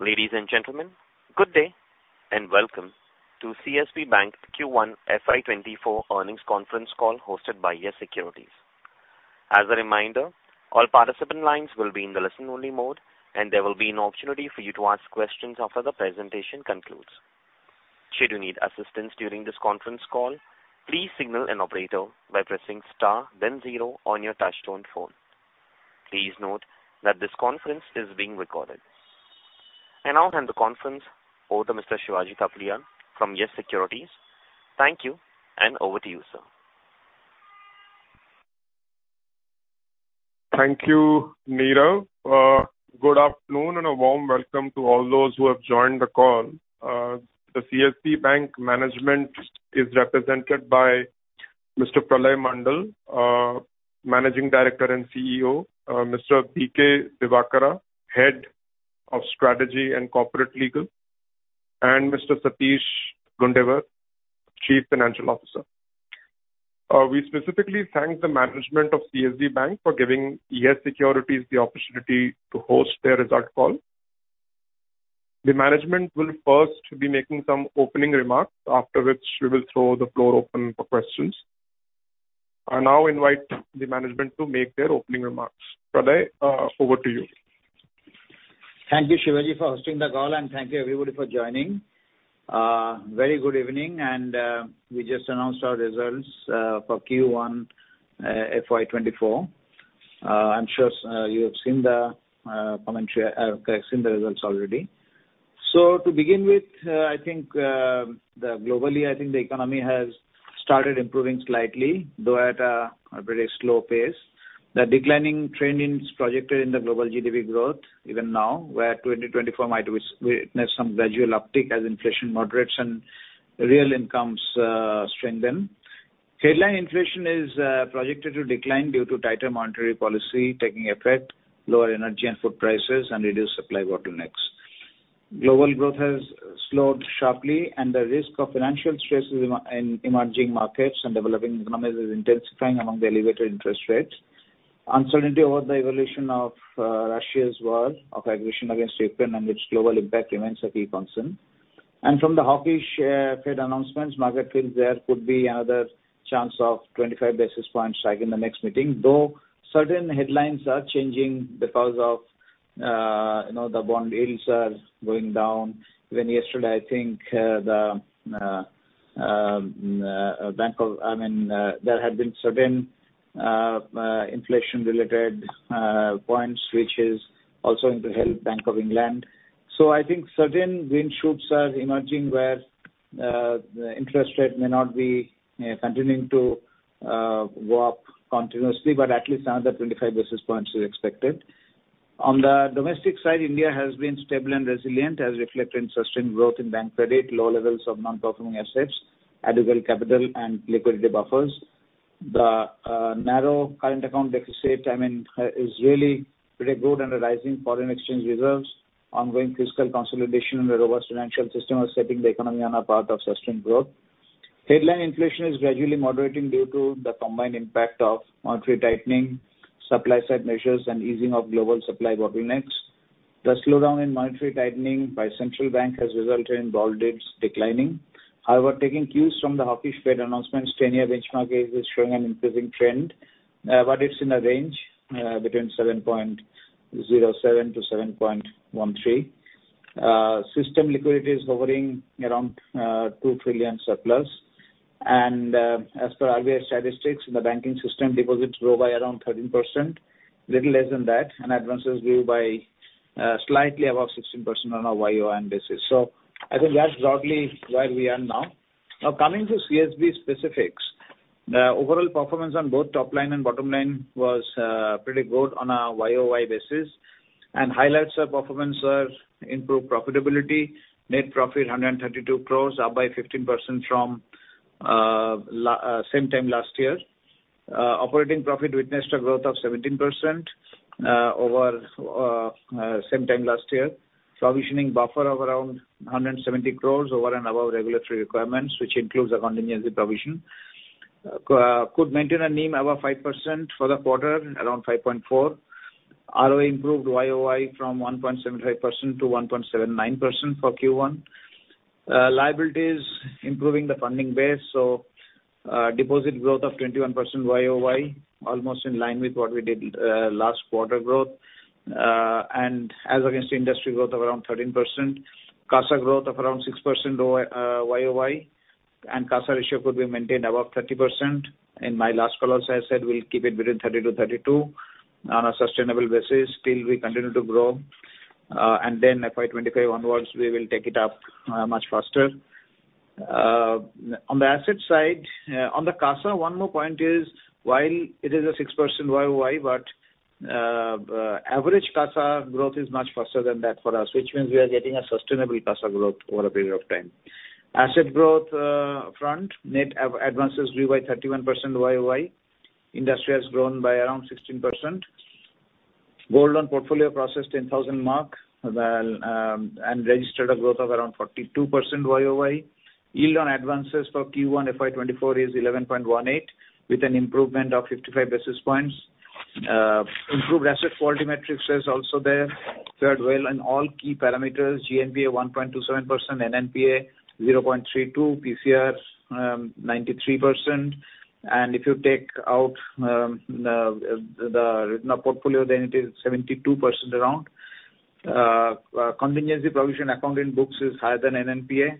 Ladies and gentlemen, good day, and welcome to CSB Bank Q1 FY24 earnings conference call, hosted by Yes Securities. As a reminder, all participant lines will be in the listen-only mode, and there will be an opportunity for you to ask questions after the presentation concludes. Should you need assistance during this conference call, please signal an operator by pressing star, then zero on your touchtone phone. Please note that this conference is being recorded. I now hand the conference over to Mr. Shivaji Thapliyal from Yes Securities. Thank you, and over to you, sir. Thank you, Nirav. Good afternoon and a warm welcome to all those who have joined the call. The CSB Bank management is represented by Mr. Pralay Mondal, Managing Director and CEO, Mr. B.K. Divakara, Head of Strategy and Corporate Legal, and Mr. Satish Gundewar, Chief Financial Officer. We specifically thank the management of CSB Bank for giving Yes Securities the opportunity to host their result call. The management will first be making some opening remarks, after which we will throw the floor open for questions. I now invite the management to make their opening remarks. Pralay, over to you. Thank you, Shivaji, for hosting the call. Thank you, everybody, for joining. Very good evening. We just announced our results for Q1 FY 2024. I'm sure you have seen the commentary, seen the results already. To begin with, I think the globally, I think the economy has started improving slightly, though at a very slow pace. The declining trend is projected in the global GDP growth even now, where 2024 might witness some gradual uptick as inflation moderates and real incomes strengthen. Headline inflation is projected to decline due to tighter monetary policy taking effect, lower energy and food prices, and reduced supply bottlenecks. Global growth has slowed sharply. The risk of financial stresses in emerging markets and developing economies is intensifying among the elevated interest rates. Uncertainty over the evolution of Russia's war of aggression against Ukraine, which global impact remains a key concern. From the hawkish Fed announcements, market feels there could be another chance of 25 basis points hike in the next meeting, though certain headlines are changing because of, you know, the bond yields are going down. Even yesterday, I think, there have been certain inflation-related points, which is also into help Bank of England. I think certain green shoots are emerging where the interest rate may not be continuing to go up continuously, but at least another 25 basis points is expected. On the domestic side, India has been stable and resilient, as reflected in sustained growth in bank credit, low levels of non-performing assets, adequate capital and liquidity buffers. The narrow current account deficit, I mean, is really pretty good and rising foreign exchange reserves. Ongoing fiscal consolidation and the robust financial system are setting the economy on a path of sustained growth. Headline inflation is gradually moderating due to the combined impact of monetary tightening, supply side measures, and easing of global supply bottlenecks. The slowdown in monetary tightening by central bank has resulted in bond yields declining. However, taking cues from the hawkish Fed announcements, 10-year benchmark is showing an increasing trend, but it's in a range between 7.07-7.13. System liquidity is hovering around 2 trillion surplus. As per RBI statistics, in the banking system, deposits grow by around 13%, little less than that, and advances grew by slightly above 16% on a YOY basis. I think that's broadly where we are now. Now, coming to CSB specifics, the overall performance on both top line and bottom line was pretty good on a YOY basis, and highlights of performance are improved profitability, net profit 132 crores, up by 15% from same time last year. Operating profit witnessed a growth of 17% over same time last year. Provisioning buffer of around 170 crores over and above regulatory requirements, which includes a contingency provision. Could maintain a NIM above 5% for the quarter, around 5.4%. ROE improved YOY from 1.75% to 1.79% for Q1. Liability is improving the funding base, deposit growth of 21% YOY, almost in line with what we did last quarter growth, as against industry growth of around 13%. CASA growth of around 6% YOY, CASA ratio could be maintained above 30%. In my last call also, I said we'll keep it between 30-32 on a sustainable basis till we continue to grow, then FY 2025 onwards, we will take it up much faster. On the asset side, on the CASA, one more point is, while it is a 6% YOY, average CASA growth is much faster than that for us, which means we are getting a sustainable CASA growth over a period of time. Asset growth front, net advances grew by 31% YOY. Industry has grown by around 16%. Gold loan portfolio crossed its 10,000 mark and registered a growth of around 42% YOY. Yield on advances for Q1 FY 2024 is 11.18%, with an improvement of 55 basis points. Improved asset quality metrics is also there, fared well in all key parameters, GNPA 1.27%, NNPA 0.32%, PCR 93%, and if you take out the written off portfolio, then it is 72% around. Contingency provision account in books is higher than NNPA.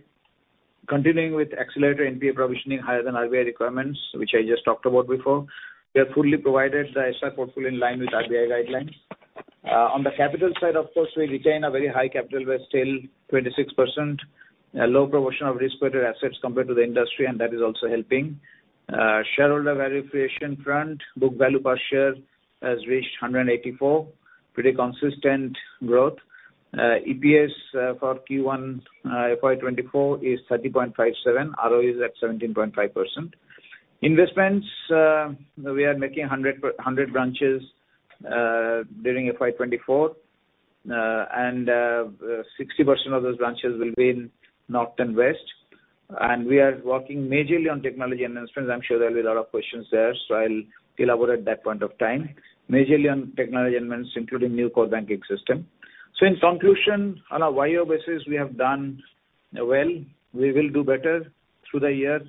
Continuing with accelerated NPA provisioning higher than RBI requirements, which I just talked about before, we have fully provided the asset portfolio in line with RBI guidelines. On the capital side, of course, we retain a very high capital, we're still 26%. A low proportion of risk-weighted assets compared to the industry, and that is also helping. Shareholder value creation front, book value per share has reached 184, pretty consistent growth. EPS for Q1 FY 2024 is 30.57, ROE is at 17.5%. Investments, we are making 100 branches during FY 2024, and 60% of those branches will be in north and west. We are working majorly on technology enhancements. I'm sure there'll be a lot of questions there, so I'll elaborate that point of time. Majorly on technology enhancements, including new core banking system. In conclusion, on a YOY basis, we have done well. We will do better through the year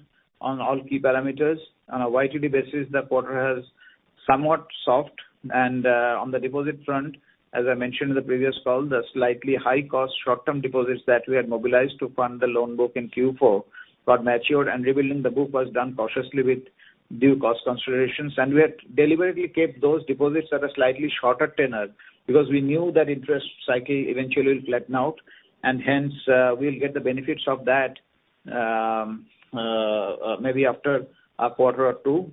on all key parameters. On a YTD basis, the quarter has somewhat softened, on the deposit front, as I mentioned in the previous call, the slightly high-cost short-term deposits that we had mobilized to fund the loan book in Q4 got matured, and rebuilding the book was done cautiously with due cost considerations. We had deliberately kept those deposits at a slightly shorter tenure, because we knew that interest cycle eventually will flatten out, and hence, we'll get the benefits of that, maybe after a quarter or two,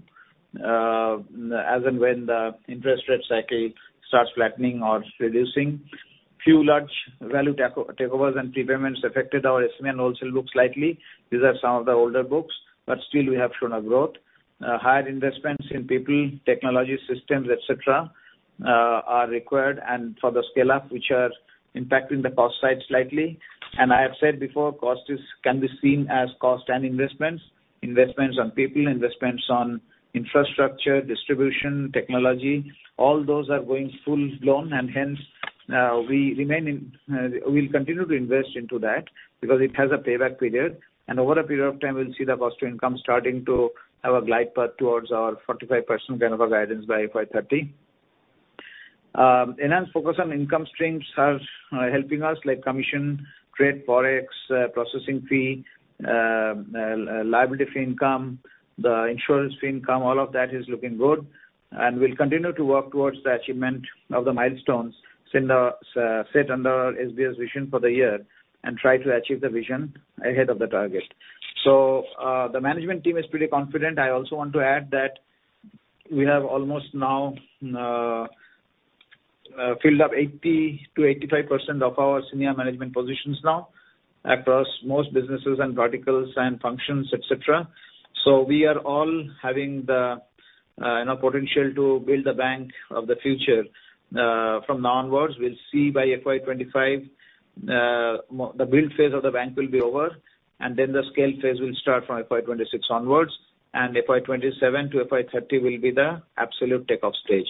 as and when the interest rate cycle starts flattening or reducing. Few large value takeovers and prepayments affected our SMA and also books slightly. These are some of the older books, but still we have shown a growth. Higher investments in people, technology, systems, et cetera, are required, and for the scale-up, which are impacting the cost side slightly. I have said before, cost is, can be seen as cost and investments. Investments on people, investments on infrastructure, distribution, technology, all those are going full blown, and hence, we remain in, we'll continue to invest into that because it has a payback period. Over a period of time, we'll see the cost to income starting to have a glide path towards our 45% kind of a guidance by FY 2030. Enhanced focus on income streams are helping us, like commission, trade, Forex, processing fee, liability fee income, the insurance fee income, all of that is looking good. We'll continue to work towards the achievement of the milestones in the set under SBS vision for the year, and try to achieve the vision ahead of the target. The management team is pretty confident. I also want to add that we have almost now filled up 80% to 85% of our senior management positions now, across most businesses and verticals and functions, et cetera. We are all having the, you know, potential to build the bank of the future. From now onwards, we'll see by FY 2025, the build phase of the bank will be over, and then the scale phase will start from FY 2026 onwards, and FY 2027 to FY 2030 will be the absolute take-off stage.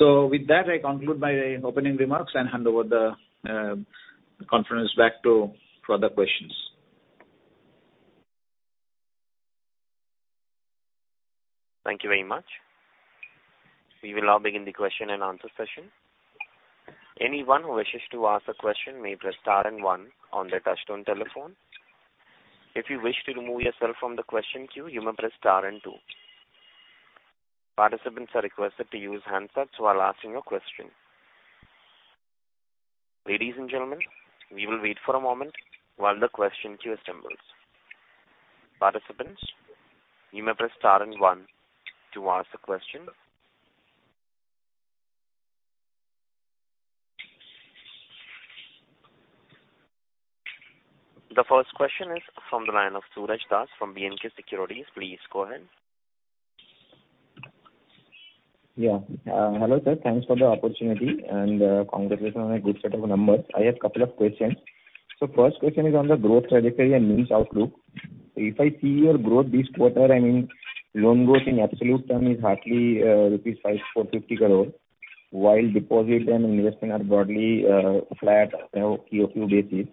With that, I conclude my opening remarks and hand over the conference back to for other questions. Thank you very much. We will now begin the question and answer session. Anyone who wishes to ask a question may press star and one on their touchtone telephone. If you wish to remove yourself from the question queue, you may press star and two. Participants are requested to use handsets while asking your question. Ladies and gentlemen, we will wait for a moment while the question queue assembles. Participants, you may press star and one to ask the question. The first question is from the line of Suraj Das from B&K Securities. Please go ahead. Hello, sir, thanks for the opportunity, and congratulations on a good set of numbers. I have a couple of questions. First question is on the growth trajectory and means outlook. If I see your growth this quarter, I mean, loan growth in absolute term is hardly rupees 545 crore, while deposit and investment are broadly flat on a QOQ basis.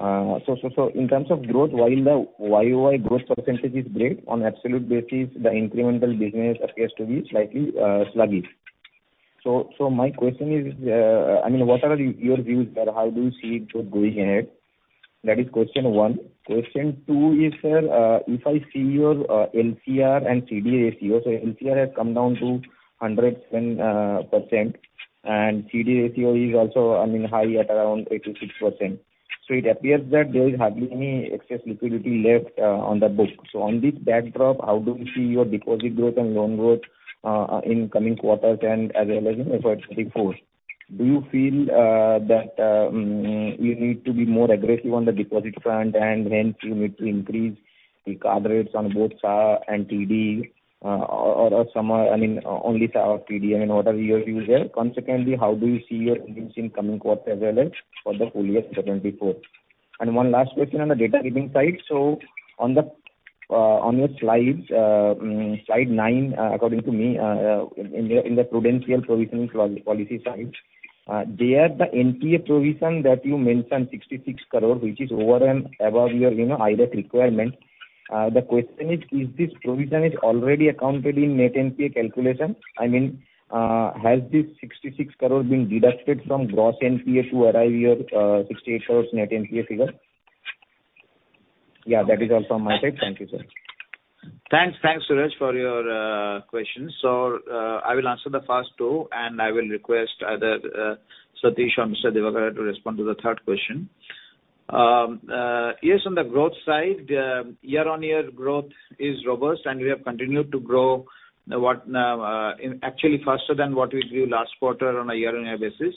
In terms of growth, while the YOY growth % is great, on absolute basis, the incremental business appears to be slightly sluggish. My question is, I mean, what are your views, sir? How do you see it going ahead? That is question one. Question two is, sir, if I see your LCR and CD ratio, so LCR has come down to 100%, and CD ratio is also, I mean, high at around 86%. It appears that there is hardly any excess liquidity left on the book. On this backdrop, how do you see your deposit growth and loan growth in coming quarters and as well as in FY 2024? Do you feel that you need to be more aggressive on the deposit front, and hence you need to increase the card rates on both SA and TD, or some, I mean, only SA or TD, I mean, what are your views there? Consequently, how do you see your earnings in coming quarters as well as for the full year 2024? One last question on the data reading side. on your slides, slide 9, according to me, in the Prudential provisioning policy slide, there the NPA provision that you mentioned, 66 crore, which is over and above your, you know, IRAC requirement. The question is this provision is already accounted in net NPA calculation? I mean, has this 66 crore been deducted from gross NPA to arrive your 68 crores net NPA figure? Yeah, that is all from my side. Thank you, sir. Thanks. Thanks, Suraj, for your questions. I will answer the first two, and I will request either Satish or Mr. Divakar to respond to the third question. Yes, on the growth side, year-on-year growth is robust, and we have continued to grow, what, in actually faster than what we grew last quarter on a year-on-year basis.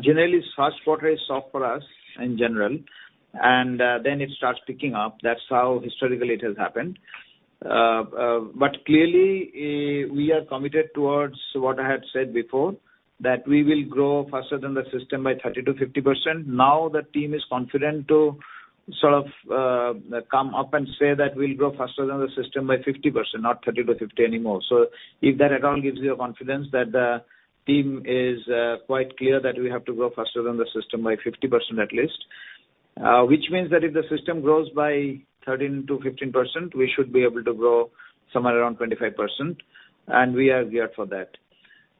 Generally, first quarter is soft for us in general, and then it starts picking up. That's how historically it has happened. Clearly, we are committed towards what I had said before, that we will grow faster than the system by 30%-50%. The team is confident to sort of come up and say that we'll grow faster than the system by 50%, not 30-50 anymore. If that at all gives you a confidence that the team is quite clear that we have to grow faster than the system by 50%, at least. Which means that if the system grows by 13%-15%, we should be able to grow somewhere around 25%, and we are geared for that.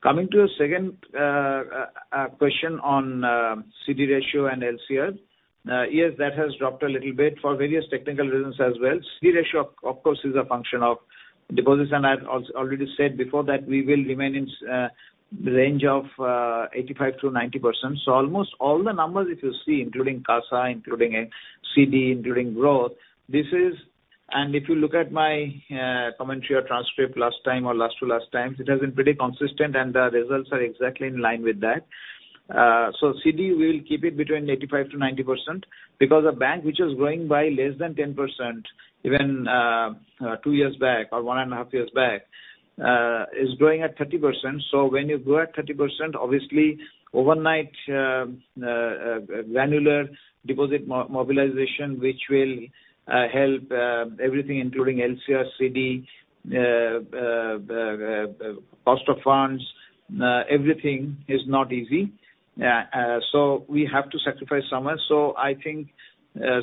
Coming to the second question on CD ratio and LCR, yes, that has dropped a little bit for various technical reasons as well. CD ratio, of course, is a function of deposits, and I've already said before that we will remain in the range of 85%-90%. Almost all the numbers, if you see, including CASA, including CD, including growth, and if you look at my commentary or transcript last time or last to last time, it has been pretty consistent, and the results are exactly in line with that. CD, we'll keep it between 85% to 90% because a bank which is growing by less than 10%, even, two years back or one and a half years back, is growing at 30%. When you grow at 30%, obviously, overnight, granular deposit mobilization, which will help everything including LCR, CD, cost of funds, everything is not easy. We have to sacrifice somewhere. I think,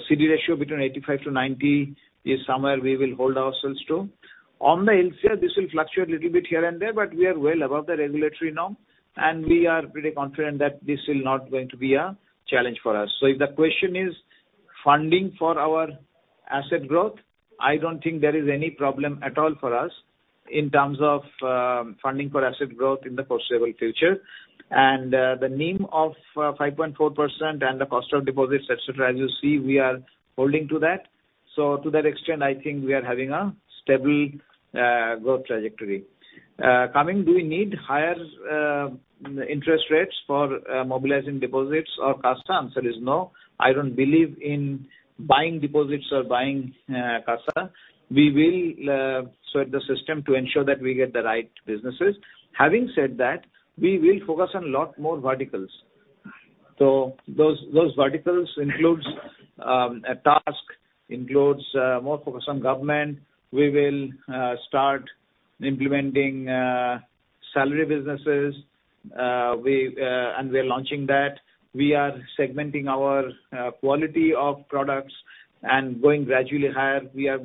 CD ratio between 85% to 90% is somewhere we will hold ourselves to. On the LCR, this will fluctuate a little bit here and there, but we are well above the regulatory norm, and we are pretty confident that this will not going to be a challenge for us. If the question is funding for our asset growth, I don't think there is any problem at all for us in terms of funding for asset growth in the foreseeable future. The NIM of 5.4% and the cost of deposits, et cetera, as you see, we are holding to that. To that extent, I think we are having a stable growth trajectory. Coming, do we need higher interest rates for mobilizing deposits or CASA? Answer is no. I don't believe in buying deposits or buying CASA. We will sweat the system to ensure that we get the right businesses. Having said that, we will focus on a lot more verticals. Those verticals includes a task, includes more focus on government. We will start implementing salary businesses, and we are launching that. We are segmenting our quality of products and going gradually higher. We are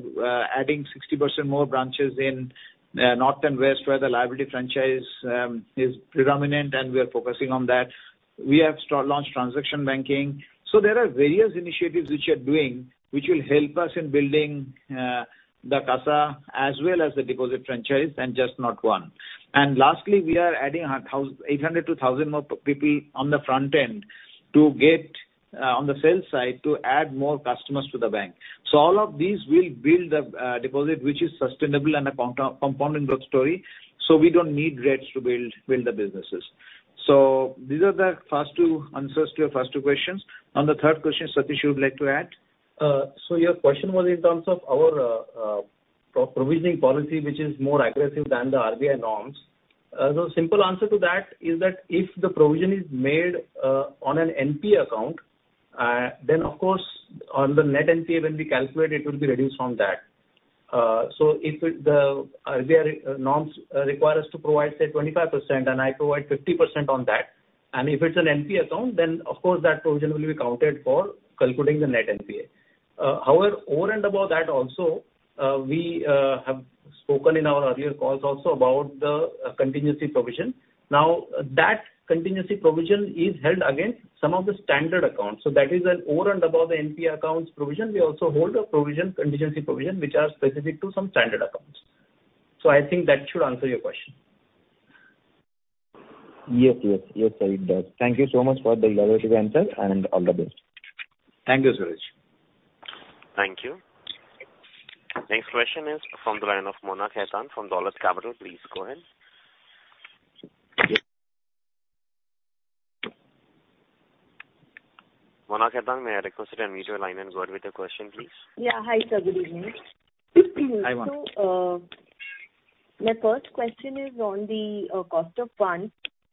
adding 60% more branches in north and west, where the liability franchise is predominant, and we are focusing on that. We have launched transaction banking. There are various initiatives which we are doing, which will help us in building the CASA as well as the deposit franchise, and just not one. Lastly, we are adding 800 to 1,000 more people on the front end to get on the sales side, to add more customers to the bank. All of these will build a deposit which is sustainable and a compounding growth story, so we don't need rates to build the businesses. These are the first two answers to your first two questions. On the third question, Satish, you would like to add? Your question was in terms of our provisioning policy, which is more aggressive than the RBI norms. The simple answer to that is that if the provision is made on an NPA account, then, of course, on the net NPA, when we calculate, it will be reduced from that. If it, the RBI norms, require us to provide, say, 25%, and I provide 50% on that, and if it's an NPA account, then, of course, that provision will be counted for calculating the net NPA. Over and above that also, we have spoken in our earlier calls also about the contingency provision. That contingency provision is held against some of the standard accounts. That is over and above the NPA accounts provision, we also hold a provision, contingency provision, which are specific to some standard accounts. I think that should answer your question. Yes, yes. Yes, sir, it does. Thank you so much for the elaborative answer, and all the best. Thank you, Suraj. Thank you. Next question is from the line of Mona Khetan from Dolat Capital. Please go ahead. Mona Khetan, may I request you to unmute your line and go ahead with your question, please? Yeah. Hi, sir, good evening. Hi, Mona.... My first question is on the cost of funds.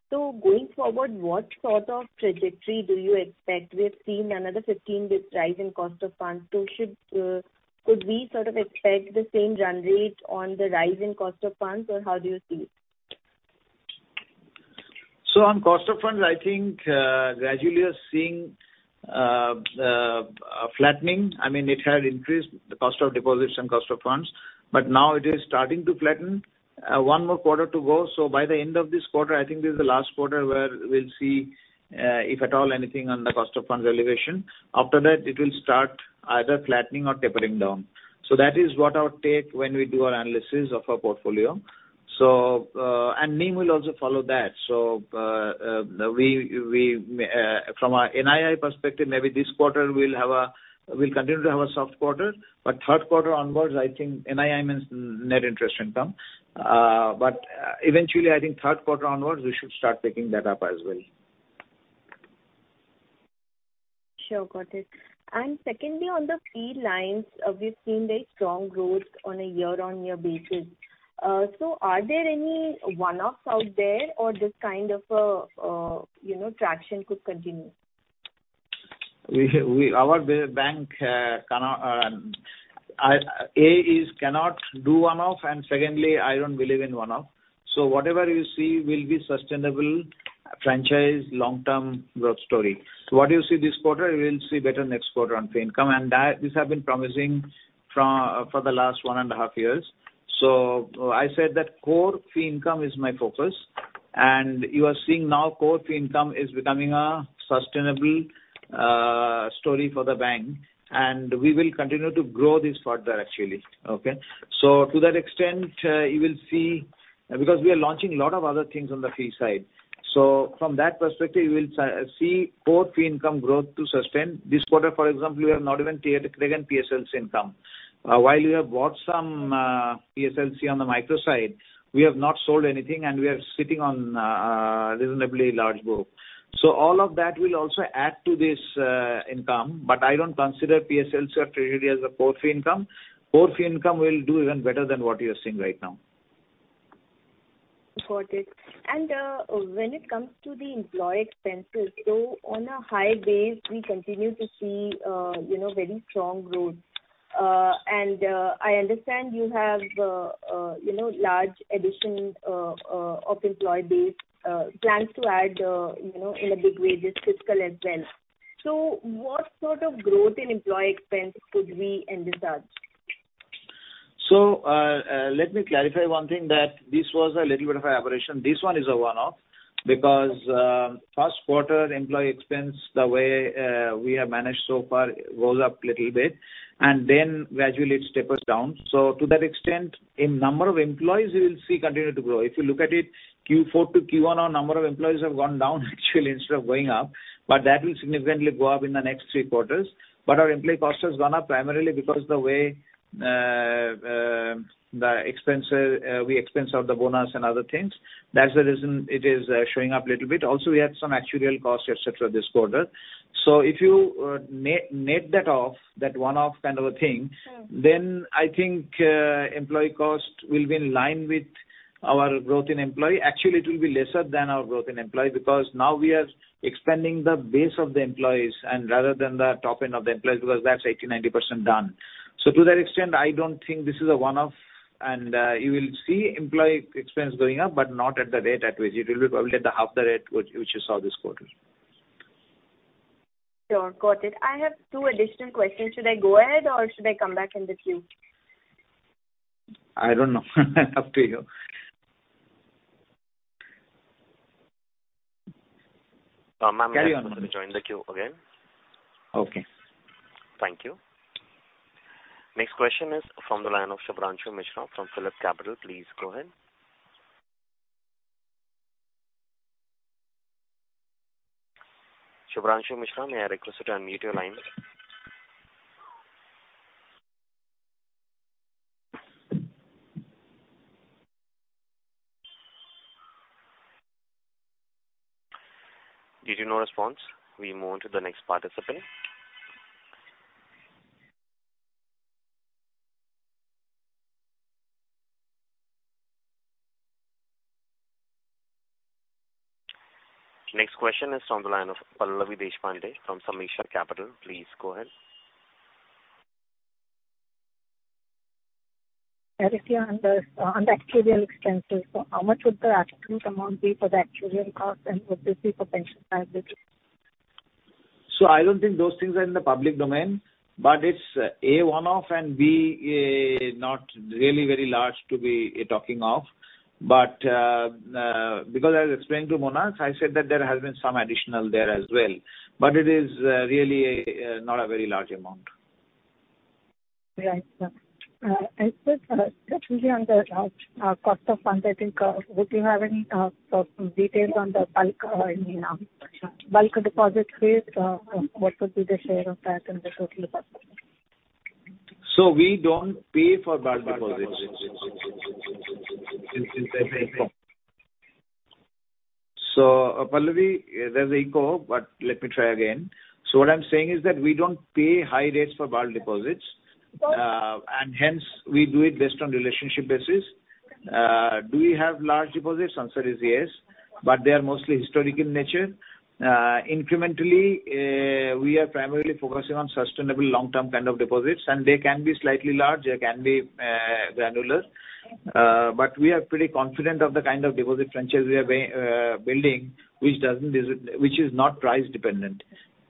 Going forward, what sort of trajectory do you expect? We've seen another 15 basis points rise in cost of funds. Should could we sort of expect the same run rate on the rise in cost of funds, or how do you see it? On cost of funds, I think, gradually you're seeing a flattening. I mean, it had increased the cost of deposits and cost of funds, but now it is starting to flatten. One more quarter to go, so by the end of this quarter, I think this is the last quarter where we'll see if at all anything on the cost of funds elevation. After that, it will start either flattening or tapering down. That is what our take when we do our analysis of our portfolio. And NIM will also follow that. We, from our NII perspective, maybe this quarter we'll continue to have a soft quarter. Third quarter onwards, I think NII means net interest income. Eventually, I think 3rd quarter onwards, we should start picking that up as well. Sure, got it. Secondly, on the fee lines, we've seen very strong growth on a year-on-year basis. Are there any one-offs out there or this kind of, you know, traction could continue? We, our bank, cannot, is cannot do one-off. Secondly, I don't believe in one-off. Whatever you see will be sustainable franchise, long-term growth story. What you see this quarter, you will see better next quarter on fee income, and that, this have been promising from for the last one and a half years. I said that core fee income is my focus, and you are seeing now core fee income is becoming a sustainable story for the bank, and we will continue to grow this further, actually, okay. To that extent, you will see. Because we are launching a lot of other things on the fee side. From that perspective, you will see core fee income growth to sustain. This quarter, for example, we have not even cleared the PSLs income. While we have bought some PSLC on the micro side, we have not sold anything, and we are sitting on reasonably large book. All of that will also add to this income, but I don't consider PSLC or traded as a core fee income. Core fee income will do even better than what you are seeing right now. Got it. When it comes to the employee expenses, on a high base, we continue to see, you know, very strong growth. I understand you have, you know, large addition, of employee base, plans to add, you know, in a big way this fiscal as well. What sort of growth in employee expense could we envisage? Let me clarify one thing, that this was a little bit of aberration. This one is a one-off, because first quarter employee expense, the way we have managed so far, rose up little bit, and then gradually it steppers down. To that extent, in number of employees, you will see continue to grow. If you look at it, Q4 to Q1, our number of employees have gone down actually instead of going up, but that will significantly go up in the next three quarters. Our employee cost has gone up primarily because the way the expense we expense out the bonus and other things. That's the reason it is showing up little bit. Also, we had some actuarial costs, et cetera, this quarter. If you nip that off, that one-off kind of a thing. Hmm. I think, employee cost will be in line with our growth in employee. Actually, it will be lesser than our growth in employee, because now we are expanding the base of the employees and rather than the top end of the employees, because that's 80%, 90% done. To that extent, I don't think this is a one-off, and, you will see employee expense going up, but not at the rate at which it will be, probably at the half the rate which you saw this quarter. Sure, got it. I have 2 additional questions. Should I go ahead or should I come back in the queue? I don't know. Up to you. Uh, ma'am- Carry on. join the queue again. Okay. Thank you. Next question is from the line of Shubhranshu Mishra from PhillipCapital. Please go ahead. Shubhranshu Mishra, may I request you to unmute your line? Due to no response, we move on to the next participant. Next question is on the line of Pallavi Deshpande from Samriddhi Capital. Please go ahead. Pallavi on the actuarial expenses, how much would the accurate amount be for the actuarial cost and would this be for pension liability? I don't think those things are in the public domain, but it's, A, one-off, and B, not really very large to be talking of. Because as I explained to Monax, I said that there has been some additional there as well, but it is really not a very large amount. Right. Just really on the cost of funds, I think, would you have any details on the bulk, any bulk deposit fees? What would be the share of that in the total bulk? We don't pay for bulk deposits. Pallavi, there's the echo, but let me try again. What I'm saying is that we don't pay high rates for bulk deposits, and hence we do it based on relationship basis. Do we have large deposits? Answer is yes, but they are mostly historic in nature. Incrementally, we are primarily focusing on sustainable long-term kind of deposits, and they can be slightly large, they can be granular. We are pretty confident of the kind of deposit franchise we are building, which is not price dependent,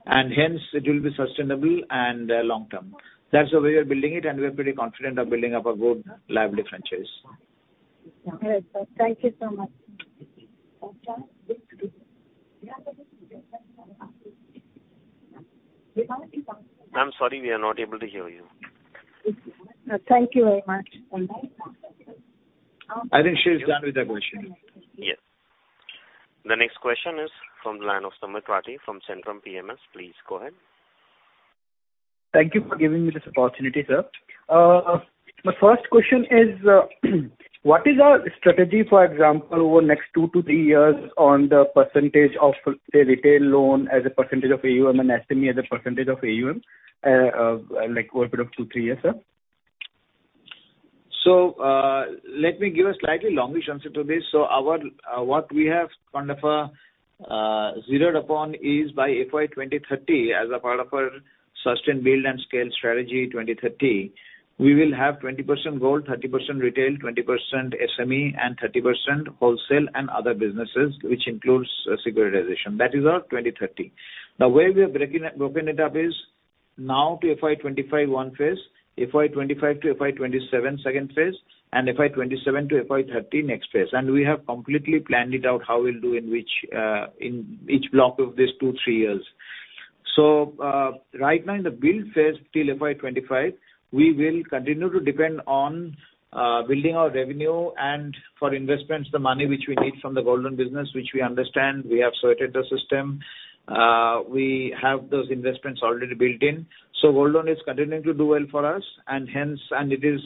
and hence it will be sustainable and long term. That's the way we are building it, and we are pretty confident of building up a good liability franchise. Thank you so much. Ma'am, sorry, we are not able to hear you. Thank you very much. I think she's done with her question. Yes. The next question is from the line of Sumit Rathi from Centrum PMS. Please go ahead. Thank you for giving me this opportunity, sir. My first question is, what is our strategy, for example, over the next 2 to 3 years on the percentage of, say, retail loan as a percentage of AUM and SME as a percentage of AUM, like over a period of 2, 3 years, sir? Let me give a slightly longish answer to this. Our, what we have kind of, zeroed upon is by FY 2030, as a part of our sustain, build, and scale strategy 2030, we will have 20% gold, 30% retail, 20% SME, and 30% wholesale and other businesses, which includes securitization. That is our 2030. Where we are broken it up is now to FY 2025, one phase, FY 2025 to FY 2027, second phase, and FY 2027 to FY 2030, next phase. We have completely planned it out, how we'll do in which, in each block of this two, three years. Right now in the build phase till FY 2025, we will continue to depend on building our revenue and for investments, the money which we need from the gold loan business, which we understand, we have sorted the system. We have those investments already built in. Gold loan is continuing to do well for us, and hence, and it is,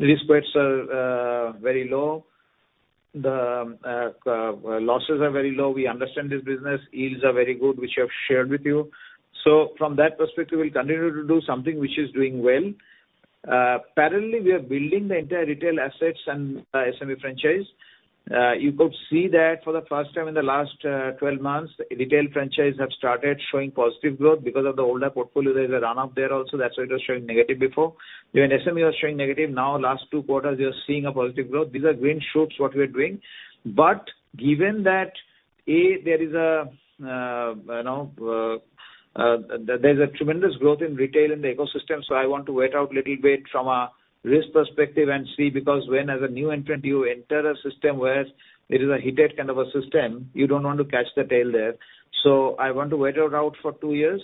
risks are very low. The losses are very low. We understand this business. Yields are very good, which I have shared with you. From that perspective, we'll continue to do something which is doing well. Parallelly, we are building the entire retail assets and the SME franchise. You could see that for the first time in the last 12 months, retail franchise have started showing positive growth because of the older portfolio. There's a run up there also, that's why it was showing negative before. Even SME was showing negative, now last two quarters, we are seeing a positive growth. These are green shoots, what we are doing. Given that, A, there is a, you know, there's a tremendous growth in retail in the ecosystem, I want to wait out little bit from a risk perspective and see, because when as a new entrant, you enter a system where it is a heated kind of a system, you don't want to catch the tail there. I want to wait it out for two years.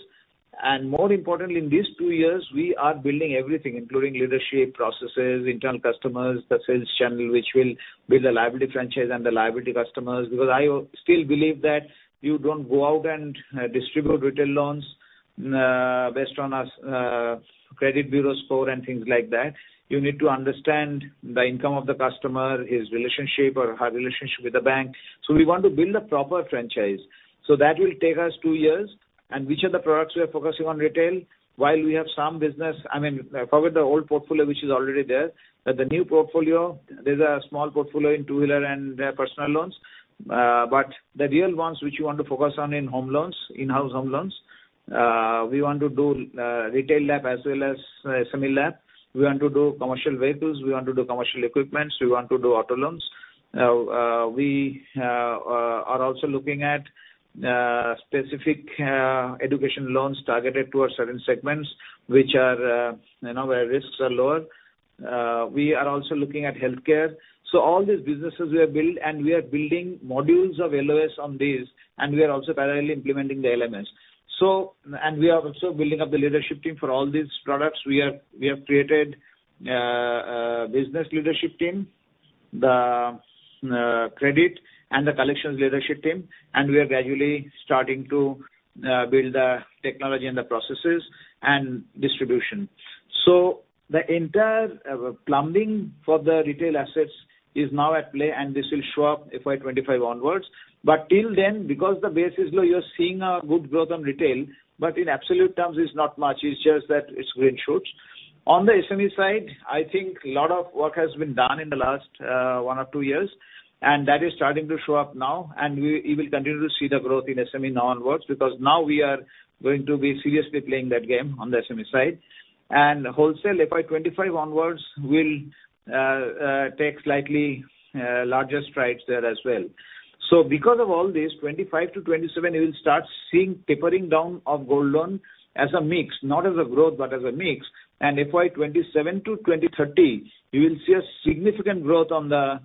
More importantly, in these two years, we are building everything, including leadership, processes, internal customers, the sales channel, which will build a liability franchise and the liability customers. I still believe that you don't go out and distribute retail loans based on a credit bureau score and things like that. You need to understand the income of the customer, his relationship or her relationship with the bank. We want to build a proper franchise. That will take us 2 years. Which are the products we are focusing on retail? While we have some business, I mean, forget the old portfolio, which is already there, the new portfolio, there's a small portfolio in 2-wheeler and personal loans. The real ones which we want to focus on in home loans, in-house home loans. We want to do retail LAP as well as SME LAP. We want to do commercial vehicles, we want to do commercial equipments, we want to do auto loans. We are also looking at specific education loans targeted towards certain segments, which are, you know, where risks are lower. We are also looking at healthcare. All these businesses we have built, and we are building modules of LOS on these, and we are also parallelly implementing the LMS. We are also building up the leadership team for all these products. We have created business leadership team, the credit and the collections leadership team, and we are gradually starting to build the technology and the processes and distribution. The entire plumbing for the retail assets is now at play, and this will show up FY 2025 onwards. Till then, because the base is low, you're seeing a good growth on retail, but in absolute terms, it's not much. It's just that it's green shoots. On the SME side, I think a lot of work has been done in the last one or two years, and that is starting to show up now, and you will continue to see the growth in SME now onwards, because now we are going to be seriously playing that game on the SME side. Wholesale, FY 2025 onwards, will take slightly larger strides there as well. Because of all this, 2025-2027, you will start seeing tapering down of gold loan as a mix, not as a growth, but as a mix. FY 2027-2030, you will see a significant growth on the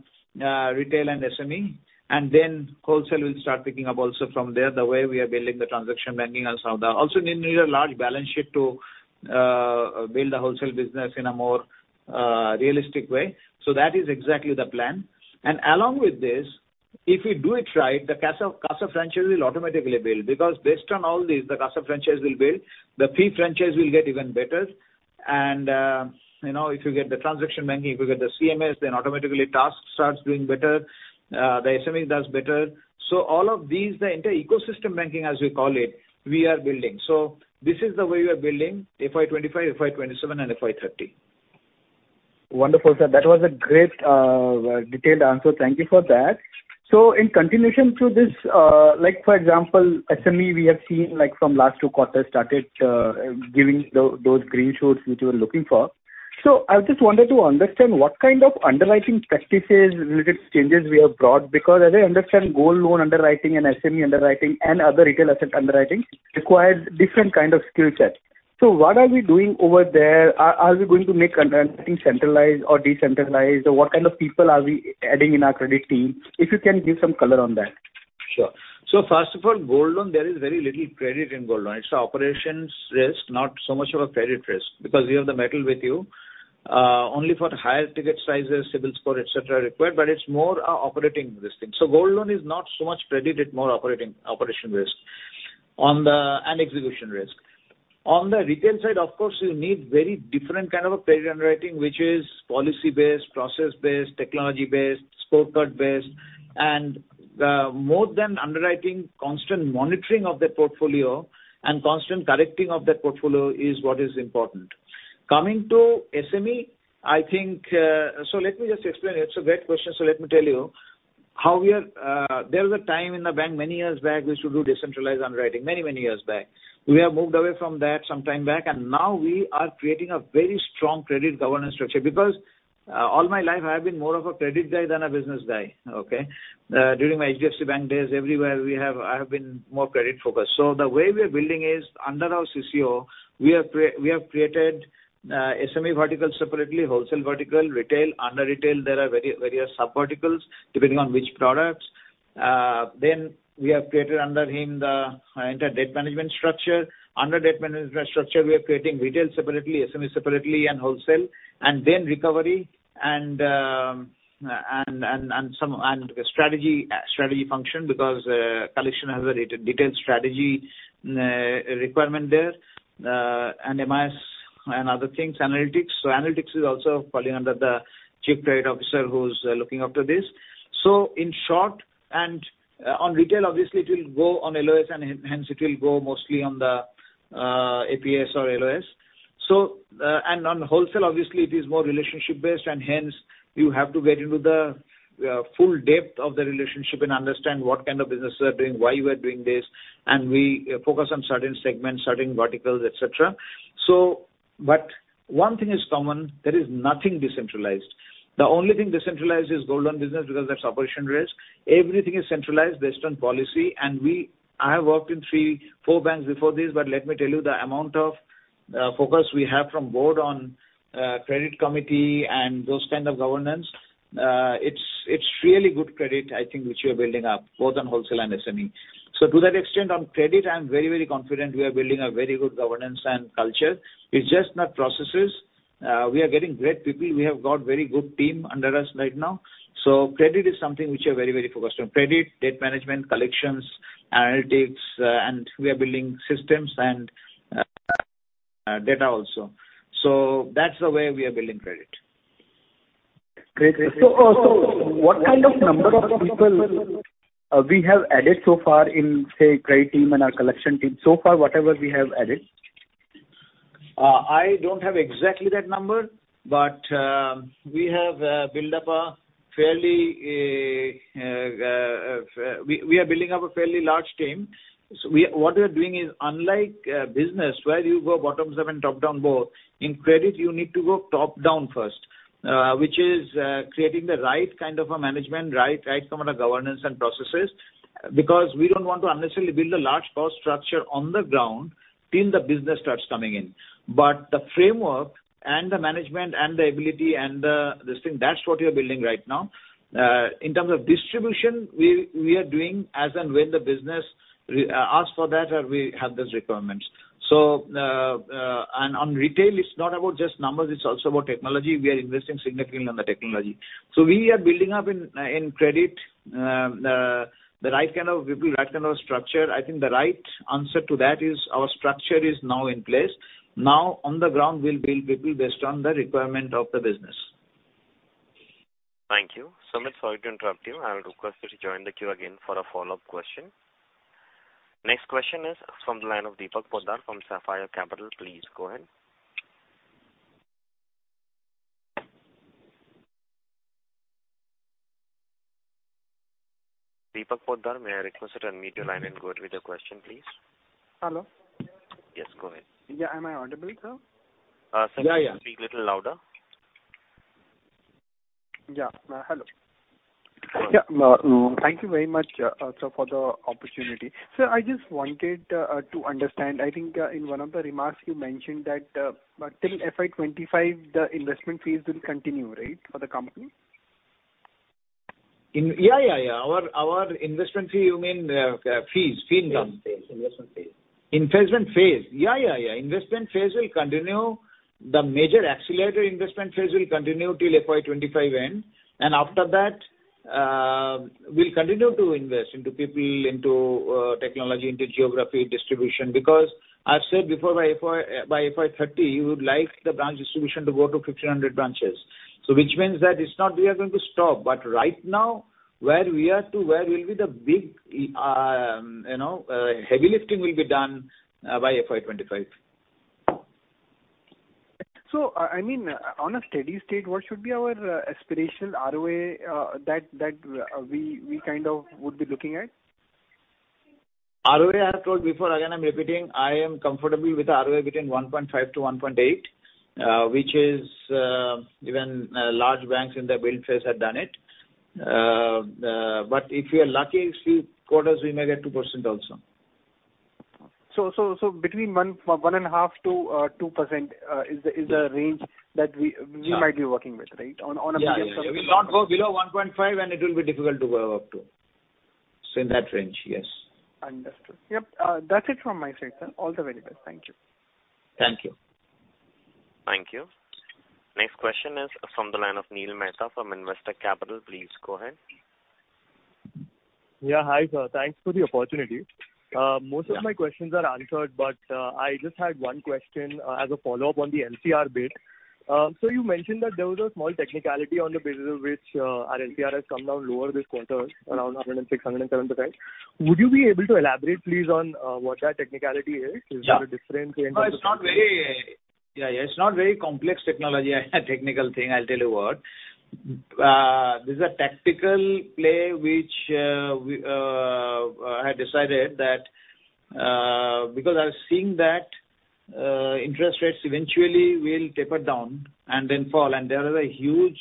retail and SME, and then wholesale will start picking up also from there, the way we are building the transaction banking also now. Also, you need a large balance sheet to build a wholesale business in a more realistic way. That is exactly the plan. Along with this, if we do it right, the CASA franchise will automatically build, because based on all this, the CASA franchise will build, the fee franchise will get even better. You know, if you get the transaction banking, if you get the CMS, then automatically tasks starts doing better, the SME does better. All of these, the inter-ecosystem banking, as we call it, we are building. This is the way we are building FY 2025, FY 2027 and FY 2030. Wonderful, sir. That was a great detailed answer. Thank you for that. In continuation to this, like for example, SME, we have seen, like from last 2 quarters, started giving those green shoots which we were looking for. I just wanted to understand what kind of underwriting practices related changes we have brought, because as I understand, gold loan underwriting and SME underwriting and other retail asset underwriting requires different kind of skill sets. What are we doing over there? Are we going to make underwriting centralized or decentralized, or what kind of people are we adding in our credit team? If you can give some color on that. Sure. First of all, gold loan, there is very little credit in gold loan. It's a operations risk, not so much of a credit risk, because you have the metal with you. Only for higher ticket sizes, CIBIL score, et cetera, are required, but it's more operating this thing. Gold loan is not so much credit, it's more operation risk and execution risk. On the retail side, of course, you need very different kind of a credit underwriting, which is policy-based, process-based, technology-based, scorecard-based, and more than underwriting, constant monitoring of that portfolio and constant correcting of that portfolio is what is important. Coming to SME, I think. Let me just explain. It's a great question. Let me tell you. How we are, there was a time in the bank, many years back, we used to do decentralized underwriting, many, many years back. We have moved away from that some time back, and now we are creating a very strong credit governance structure. Because all my life I have been more of a credit guy than a business guy, okay? During my HDFC Bank days, everywhere I have been more credit-focused. The way we are building is, under our CCO, we have created SME vertical separately, wholesale vertical, retail. Under retail, there are very various sub verticals, depending on which products. We have created under him, the inter-debt management structure. Under debt management structure, we are creating retail separately, SME separately, and wholesale, and then recovery and some strategy function because collection has a detailed strategy requirement there, and MIS and other things, analytics. Analytics is also falling under the chief credit officer, who's looking after this. In short, on retail, obviously it will go on LOS and hence it will go mostly on the APS or LOS. On wholesale, obviously it is more relationship-based, and hence you have to get into the full depth of the relationship and understand what kind of business we are doing, why you are doing this, and we focus on certain segments, certain verticals, et cetera. But one thing is common, there is nothing decentralized. The only thing decentralized is gold loan business, because that's operation risk. Everything is centralized based on policy, and I have worked in 3, 4 banks before this, but let me tell you, the amount of focus we have from board on credit committee and those kind of governance, it's really good credit, I think, which we are building up, both on wholesale and SME. To that extent, on credit, I am very, very confident we are building a very good governance and culture. It's just not processes. We are getting great people. We have got very good team under us right now. Credit is something which we are very, very focused on. Credit, debt management, collections, analytics, and we are building systems and data also. That's the way we are building credit. Great. What kind of number of people, we have added so far in, say, credit team and our collection team, so far, whatever we have added? I don't have exactly that number, we have built up a fairly large team. What we are doing is, unlike business, where you go bottom seven, top-down both, in credit, you need to go top-down first, which is creating the right kind of a management, right kind of governance and processes, because we don't want to unnecessarily build a large cost structure on the ground till the business starts coming in. The framework and the management and the ability and the this thing, that's what we are building right now. In terms of distribution, we are doing as and when the business ask for that, or we have those requirements. On retail, it's not about just numbers, it's also about technology. We are investing significantly on the technology. We are building up in credit, the right kind of people, right kind of structure. I think the right answer to that is our structure is now in place. Now, on the ground, we'll build people based on the requirement of the business. Thank you. Sumit, sorry to interrupt you. I will request you to join the queue again for a follow-up question. Next question is from the line of Deepak Poddar from Sapphire Capital. Please go ahead. Deepak Poddar, may I request you to unmute your line and go ahead with your question, please? Hello. Yes, go ahead. Am I audible, sir? Sir- Yeah, yeah. Please speak little louder. Yeah. Hello. Yeah, thank you very much, sir, for the opportunity. Sir, I just wanted to understand, I think, in one of the remarks you mentioned that, till FY 25, the investment phase will continue, right, for the company? Yeah, yeah. Our investment fee, you mean, fee income. Phase, investment phase. Investment phase. Yeah. Investment phase will continue. The major accelerator investment phase will continue till FY 2025 end. After that, we'll continue to invest into people, into technology, into geography, distribution, because I've said before, by FY 2030, we would like the branch distribution to go to 1,500 branches. Which means that it's not we are going to stop, but right now, where we are to where we'll be the big, you know, heavy lifting will be done by FY 2025. I mean, on a steady state, what should be our aspirational ROA that we kind of would be looking at? ROA, I have told before, again, I'm repeating, I am comfortable with ROA between 1.5%-1.8%, which is, even, large banks in the world space have done it. If we are lucky, few quarters we may get 2% also. between 1.5% to 2% is the range that we Yeah. -we might be working with, right? On a- Yeah, yeah. We will not go below 1.5, and it will be difficult to go up to. In that range, yes. Understood. Yep, that's it from my side, sir. All the very best. Thank you. Thank you. Thank you. Next question is from the line of Neil Mehta from Investec Capital. Please go ahead. Yeah, hi, sir. Thanks for the opportunity. Most of my questions are answered. I just had one question, as a follow-up on the LCR bit. You mentioned that there was a small technicality on the basis of which, our LCR has come down lower this quarter, around 106%-107%. Would you be able to elaborate, please, on, what that technicality is? Yeah. Is there a different way into? No, it's not very... Yeah, yeah, it's not very complex technology and technical thing. I'll tell you what. This is a tactical play which we I had decided that because I was seeing that interest rates eventually will taper down and then fall, and there is a huge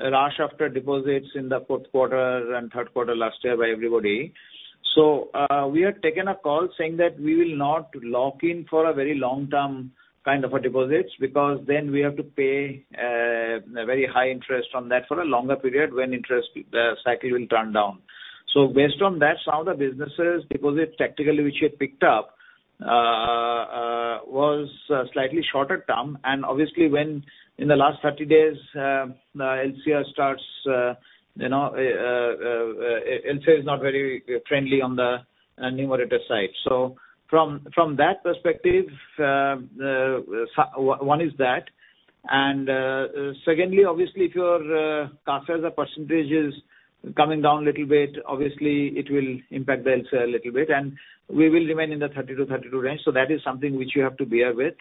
rush after deposits in the fourth quarter and third quarter last year by everybody. We have taken a call saying that we will not lock in for a very long-term kind of a deposits, because then we have to pay a very high interest on that for a longer period when interest cycle will turn down. Based on that, some of the businesses deposits tactically, which we had picked up, was slightly shorter term. Obviously, when in the last 30 days, LCR starts, you know, LCR is not very friendly on the numerator side. From, from that perspective, one is that. Secondly, obviously, if your current as a % is coming down a little bit, obviously, it will impact the LCR a little bit, and we will remain in the 30-32 range. That is something which you have to bear with.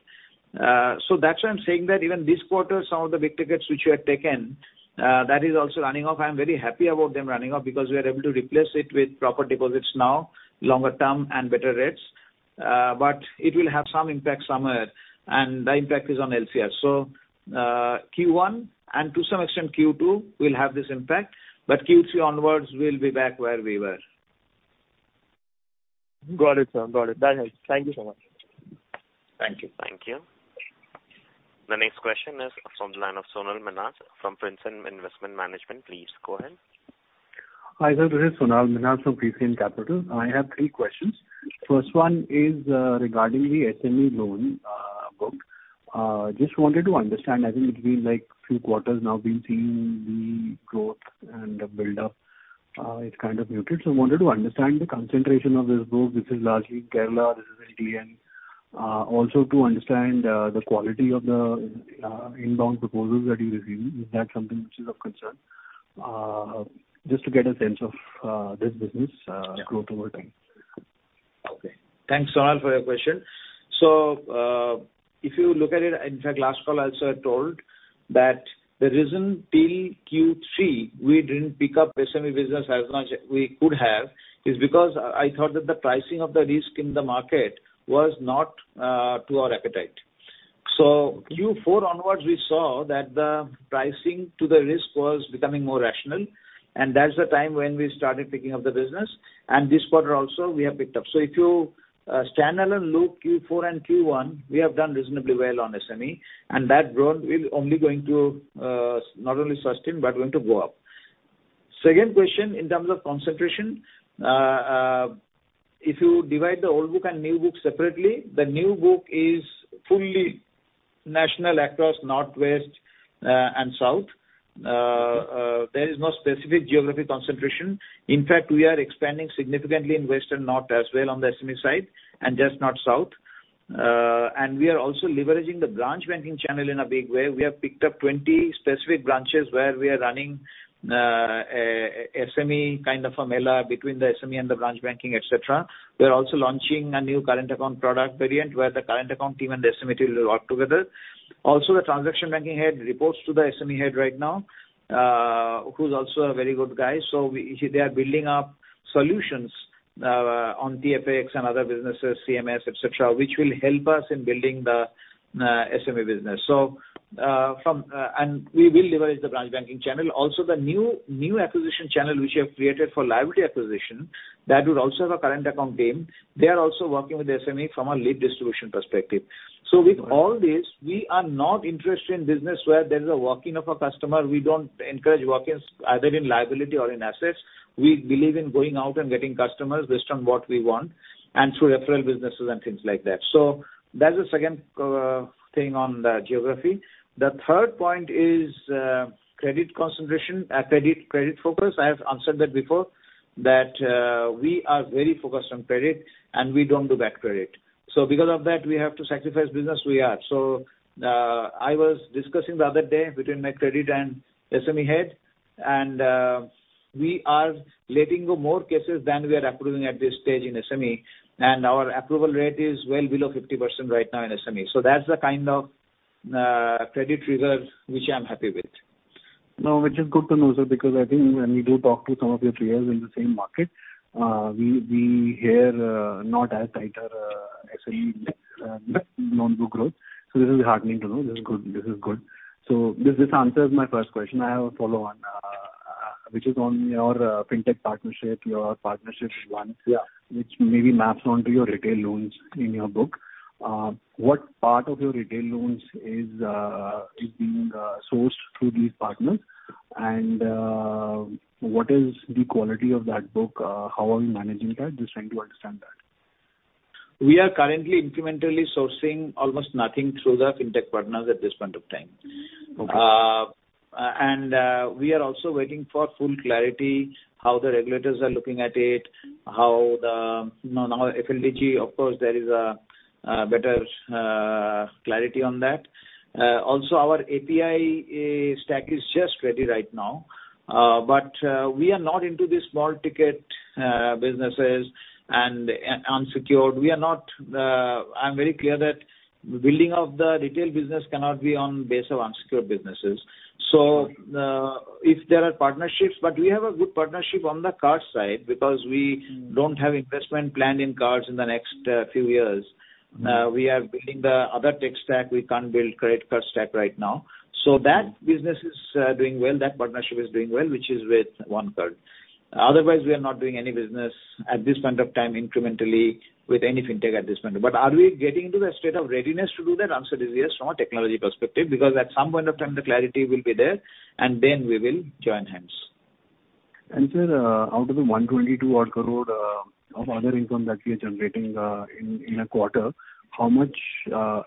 That's why I'm saying that even this quarter, some of the big tickets which we have taken, that is also running off. I am very happy about them running off because we are able to replace it with proper deposits now, longer term and better rates. But it will have some impact somewhere, and the impact is on LCR. Q1 and to some extent Q2 will have this impact, but Q3 onwards, we'll be back where we were. Got it, sir. Got it. That helps. Thank you so much. Thank you. Thank you. The next question is from the line of Sonal Menon from Prescient Capital. Please go ahead. Hi, sir. This is Sonal Menon from Princeton Capital. I have three questions. First one is regarding the SME loan book. Just wanted to understand, I think it's been, like, few quarters now, we've seen the growth and the buildup, it's kind of muted. I wanted to understand the concentration of this book. This is largely Kerala, this is LKN. Also to understand the quality of the inbound proposals that you receive, is that something which is of concern? Just to get a sense of this business growth over time. Okay. Thanks, Sonal, for your question. If you look at it, in fact, last call I also had told that the reason till Q3 we didn't pick up the SME business as much as we could have, is because I thought that the pricing of the risk in the market was not to our appetite. Q4 onwards, we saw that the pricing to the risk was becoming more rational, and that's the time when we started picking up the business, and this quarter also, we have picked up. If you stand alone, look Q4 and Q1, we have done reasonably well on SME, and that growth will only going to not only sustain, but going to go up. Second question, in terms of concentration, if you divide the old book and new book separately, the new book is fully national across Northwest and South. There is no specific geographic concentration. In fact, we are expanding significantly in West and North as well on the SME side, and just not South. We are also leveraging the branch banking channel in a big way. We have picked up 20 specific branches where we are running a SME kind of a Mela between the SME and the branch banking, et cetera. We are also launching a new current account product variant, where the current account team and the SME team will work together. The transaction banking head reports to the SME head right now, who's also a very good guy. They are building up solutions on FX and other businesses, CMS, et cetera, which will help us in building the SME business. From and we will leverage the branch banking channel. Also, the new acquisition channel, which we have created for liability acquisition, that would also have a current account team. They are also working with the SME from a lead distribution perspective. With all this, we are not interested in business where there is a walk-in of a customer. We don't encourage walk-ins, either in liability or in assets. We believe in going out and getting customers based on what we want and through referral businesses and things like that. That's the second thing on the geography. The third point is credit concentration, credit focus. I have answered that before, that, we are very focused on credit, and we don't do bad credit. Because of that, we have to sacrifice business, we are. I was discussing the other day between my credit and SME head. We are letting go more cases than we are approving at this stage in SME, and our approval rate is well below 50% right now in SME. That's the kind of, credit reserve which I'm happy with. Which is good to know, sir, because I think when we do talk to some of your peers in the same market, we hear not as tighter SME non-book growth. This is heartening to know. This is good, this is good. This answers my first question. I have a follow-on, which is on your Fintech partnership, your partnership with OneCard. Yeah. which maybe maps on to your retail loans in your book. What part of your retail loans is being sourced through these partners? What is the quality of that book, how are you managing that? Just trying to understand that. We are currently incrementally sourcing almost nothing through the Fintech partners at this point of time. Okay. We are also waiting for full clarity, how the regulators are looking at it. Now, FLDG, of course, there is a better clarity on that. Also our API stack is just ready right now, we are not into the small ticket businesses and unsecured. We are not, I'm very clear that building of the retail business cannot be on base of unsecured businesses. Okay. If there are partnerships, but we have a good partnership on the card side, because we don't have investment planned in cards in the next few years. Mm-hmm. We are building the other tech stack. We can't build credit card stack right now. That business is doing well, that partnership is doing well, which is with OneCard. Otherwise, we are not doing any business at this point of time incrementally with any Fintech at this point. Are we getting to the state of readiness to do that? Answer is yes, from a technology perspective, because at some point of time, the clarity will be there and then we will join hands. Sir, out of the 122 crore, of other income that we are generating, in a quarter, how much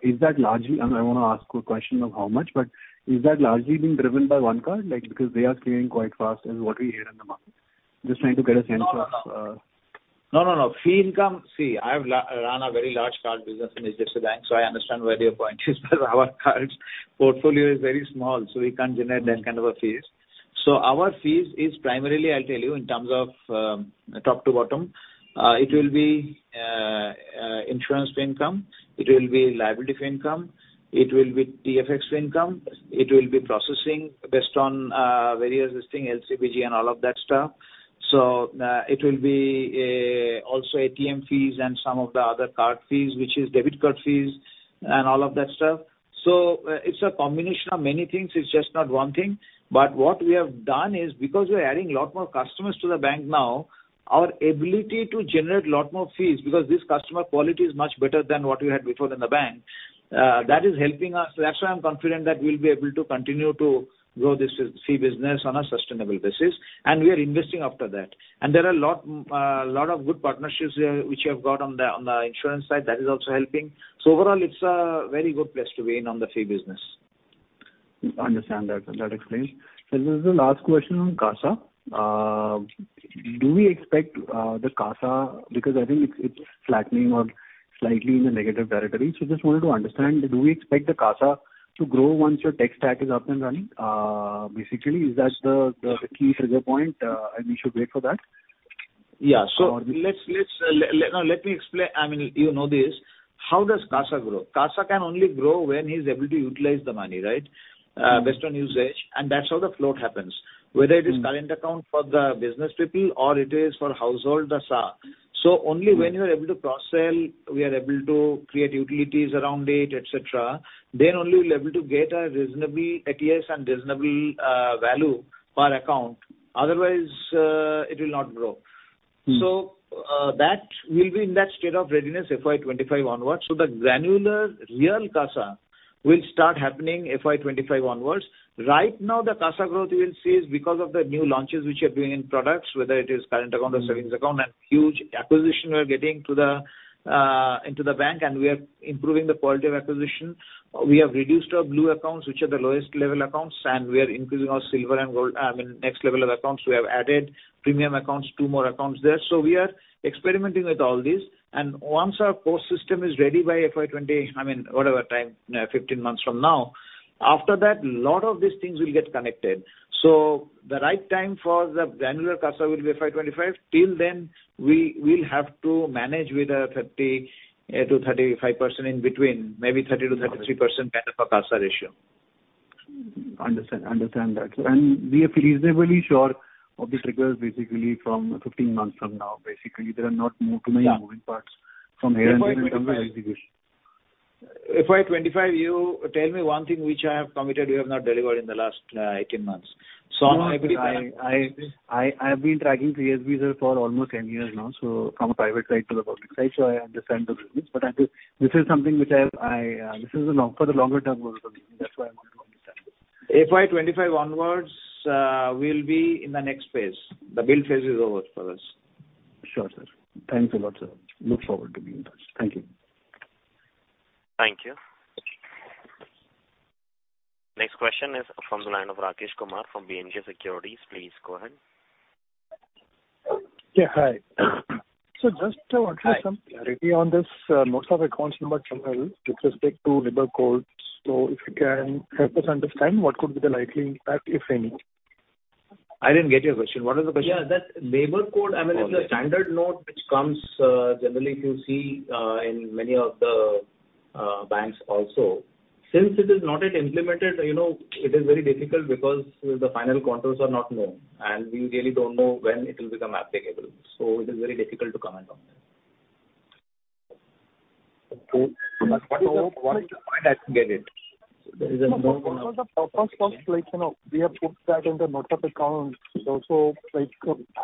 is that largely? I want to ask a question of how much, but is that largely being driven by OneCard? Like, because they are scaling quite fast, is what we hear in the market. Just trying to get a sense of. No, no. No, no. Fee income. See, I have run a very large card business in HDFC Bank, so I understand where your point is, but our cards portfolio is very small, so we can't generate that kind of a fees. Our fees is primarily, I'll tell you, in terms of top to bottom, it will be insurance fee income, it will be liability fee income, it will be FX fee income, it will be processing based on various listing, LCBG and all of that stuff. It will be also ATM fees and some of the other card fees, which is debit card fees and all of that stuff. It's a combination of many things, it's just not one thing. What we have done is, because we are adding a lot more customers to the bank now, our ability to generate a lot more fees, because this customer quality is much better than what we had before in the bank, that is helping us. That's why I'm confident that we'll be able to continue to grow this fee business on a sustainable basis, and we are investing after that. There are lot of good partnerships here, which we have got on the, on the insurance side, that is also helping. Overall, it's a very good place to be in on the fee business. Understand that. That explains. Sir, this is the last question on CASA. Do we expect the CASA, because I think it's flattening or slightly in the negative territory. Just wanted to understand, do we expect the CASA to grow once your tech stack is up and running? Basically, is that the key trigger point, and we should wait for that? Yeah. Or- Let me explain. I mean, you know this. How does CASA grow? CASA can only grow when he's able to utilize the money, right? Mm-hmm. based on usage, and that's how the float happens. Mm. Whether it is current account for the business people or it is for household, the SA. Mm. Only when you are able to cross-sell, we are able to create utilities around it, et cetera, then only we're able to get a reasonably ATS and reasonable value per account. Otherwise, it will not grow. Mm. That will be in that state of readiness FY 25 onwards. The granular real CASA will start happening FY 25 onwards. Right now, the CASA growth you will see is because of the new launches which are doing in products, whether it is current account or savings account, and huge acquisition we are getting to the into the bank, and we are improving the quality of acquisition. We have reduced our blue accounts, which are the lowest level accounts, and we are increasing our silver and gold, I mean, next level of accounts. We have added premium accounts, two more accounts there. So we are experimenting with all this. Once our core system is ready by FY 20, I mean, whatever time, 15 months from now, after that, lot of these things will get connected. The right time for the granular CASA will be FY 25. Till then, we'll have to manage with a 30% to 35% in between, maybe 30% to 33% kind of a CASA ratio. Understand that. We are reasonably sure of the triggers, basically, from 15 months from now. Basically, there are not too many moving parts from here in terms of execution. FY 25, you tell me one thing which I have committed, we have not delivered in the last, 18 months. I'm pretty clear. I've been tracking CSB for almost 10 years now, so from a private side to the public side, so I understand the business. I think this is something which I, for the longer term goal for me. That's why I want to understand. FY 25 onwards, we'll be in the next phase. The build phase is over for us. Sure, sir. Thanks a lot, sir. Look forward to being in touch. Thank you. Thank you. Next question is from the line o Rakesh Kumar from BNK Securities. Please go ahead. Yeah, hi. Just to address some clarity on this, notes of accounts number 10 with respect to labor codes. If you can help us understand what could be the likely impact, if any? I didn't get your question. What is the question? Yeah, that labor code, I mean, it's a standard note which comes, generally, if you see, in many of the banks also. Since it is not yet implemented, you know, it is very difficult because the final contours are not known, and we really don't know when it will become applicable. It is very difficult to comment on that. What is the point I can get it? There is a normal process of like, you know, we have put that in the notes of accounts. like,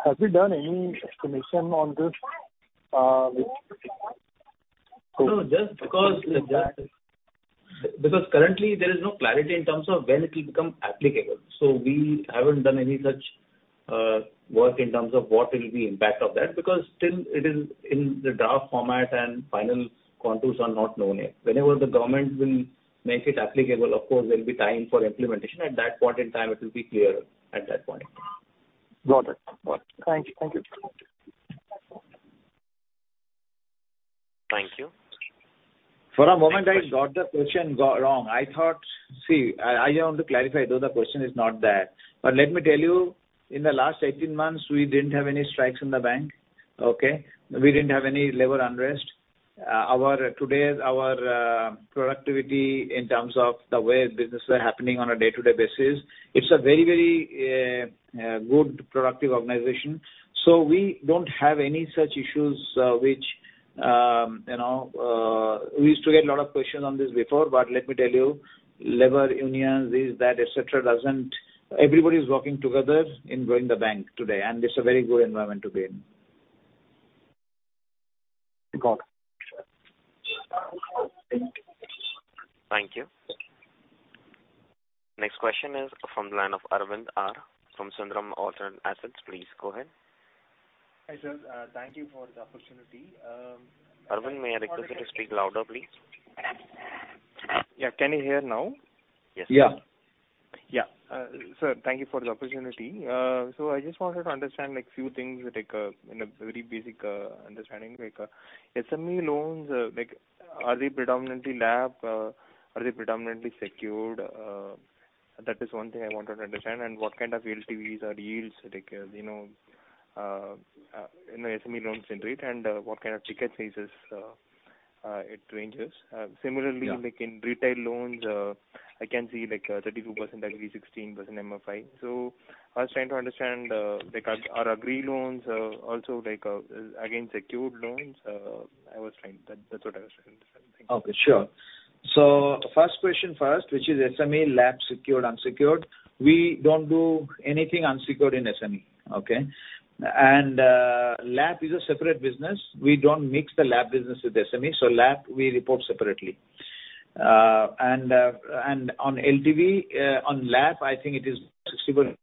have you done any estimation on this? No, just because currently there is no clarity in terms of when it will become applicable. We haven't done any such work in terms of what will be impact of that, because still it is in the draft format and final contours are not known yet. Whenever the government will make it applicable, of course, there will be time for implementation. At that point in time, it will be clear at that point. Got it. Thank you. Thank you. Thank you. For a moment, I got the question wrong. I want to clarify, though, the question is not that. Let me tell you, in the last 18 months, we didn't have any strikes in the bank, okay? We didn't have any labor unrest. Our today, our productivity in terms of the way businesses are happening on a day-to-day basis, it's a very, very good, productive organization. We don't have any such issues, which, you know, we used to get a lot of questions on this before, but let me tell you, labor unions, this, that, et cetera. Everybody is working together in growing the bank today, and it's a very good environment to be in. Got it. Thank you. Next question is from the line of Arvind Sethi from Sundaram Alternate Assets. Please go ahead. Hi, sir. Thank you for the opportunity. Arvind, may I request you to speak louder, please? Yeah. Can you hear now? Yes. Yeah. Yeah. Sir, thank you for the opportunity. I just wanted to understand, like, few things, like, in a very basic, understanding, like, SME loans, like, are they predominantly LAP, are they predominantly secured? That is one thing I wanted to understand. What kind of LTVs or yields, like, you know, in the SME loans interest, and, what kind of ticket phases, it ranges. Similarly... Yeah. -like in retail loans, I can see, like, 32%, maybe 16% MFI. I was trying to understand, like, are Agri loans, also like, again, secured loans? I was trying, that's what I was trying to understand. Okay, sure. First question first, which is SME LAP secured, unsecured. We don't do anything unsecured in SME, okay? LAP is a separate business. We don't mix the LAP business with SME. LAP, we report separately. On LTV on LAP, I think it is 60%.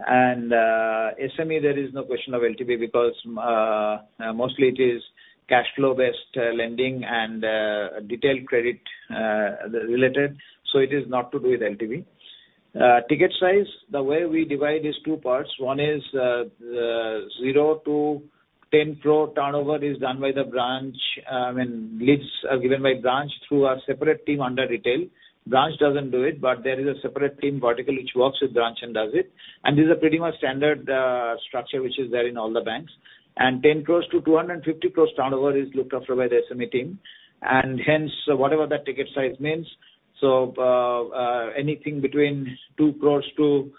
SME, there is no question of LTV because mostly it is cash flow-based lending and detailed credit related. It is not to do with LTV. Ticket size, the way we divide is two parts. One is, the 0-10 crore turnover is done by the branch. Leads are given by branch through our separate team under retail. Branch doesn't do it. There is a separate team vertical which works with branch and does it. This is a pretty much standard structure, which is there in all the banks. 10 crores to 250 crores turnover is looked after by the SME team, and hence, whatever that ticket size means. Anything between 2 crores to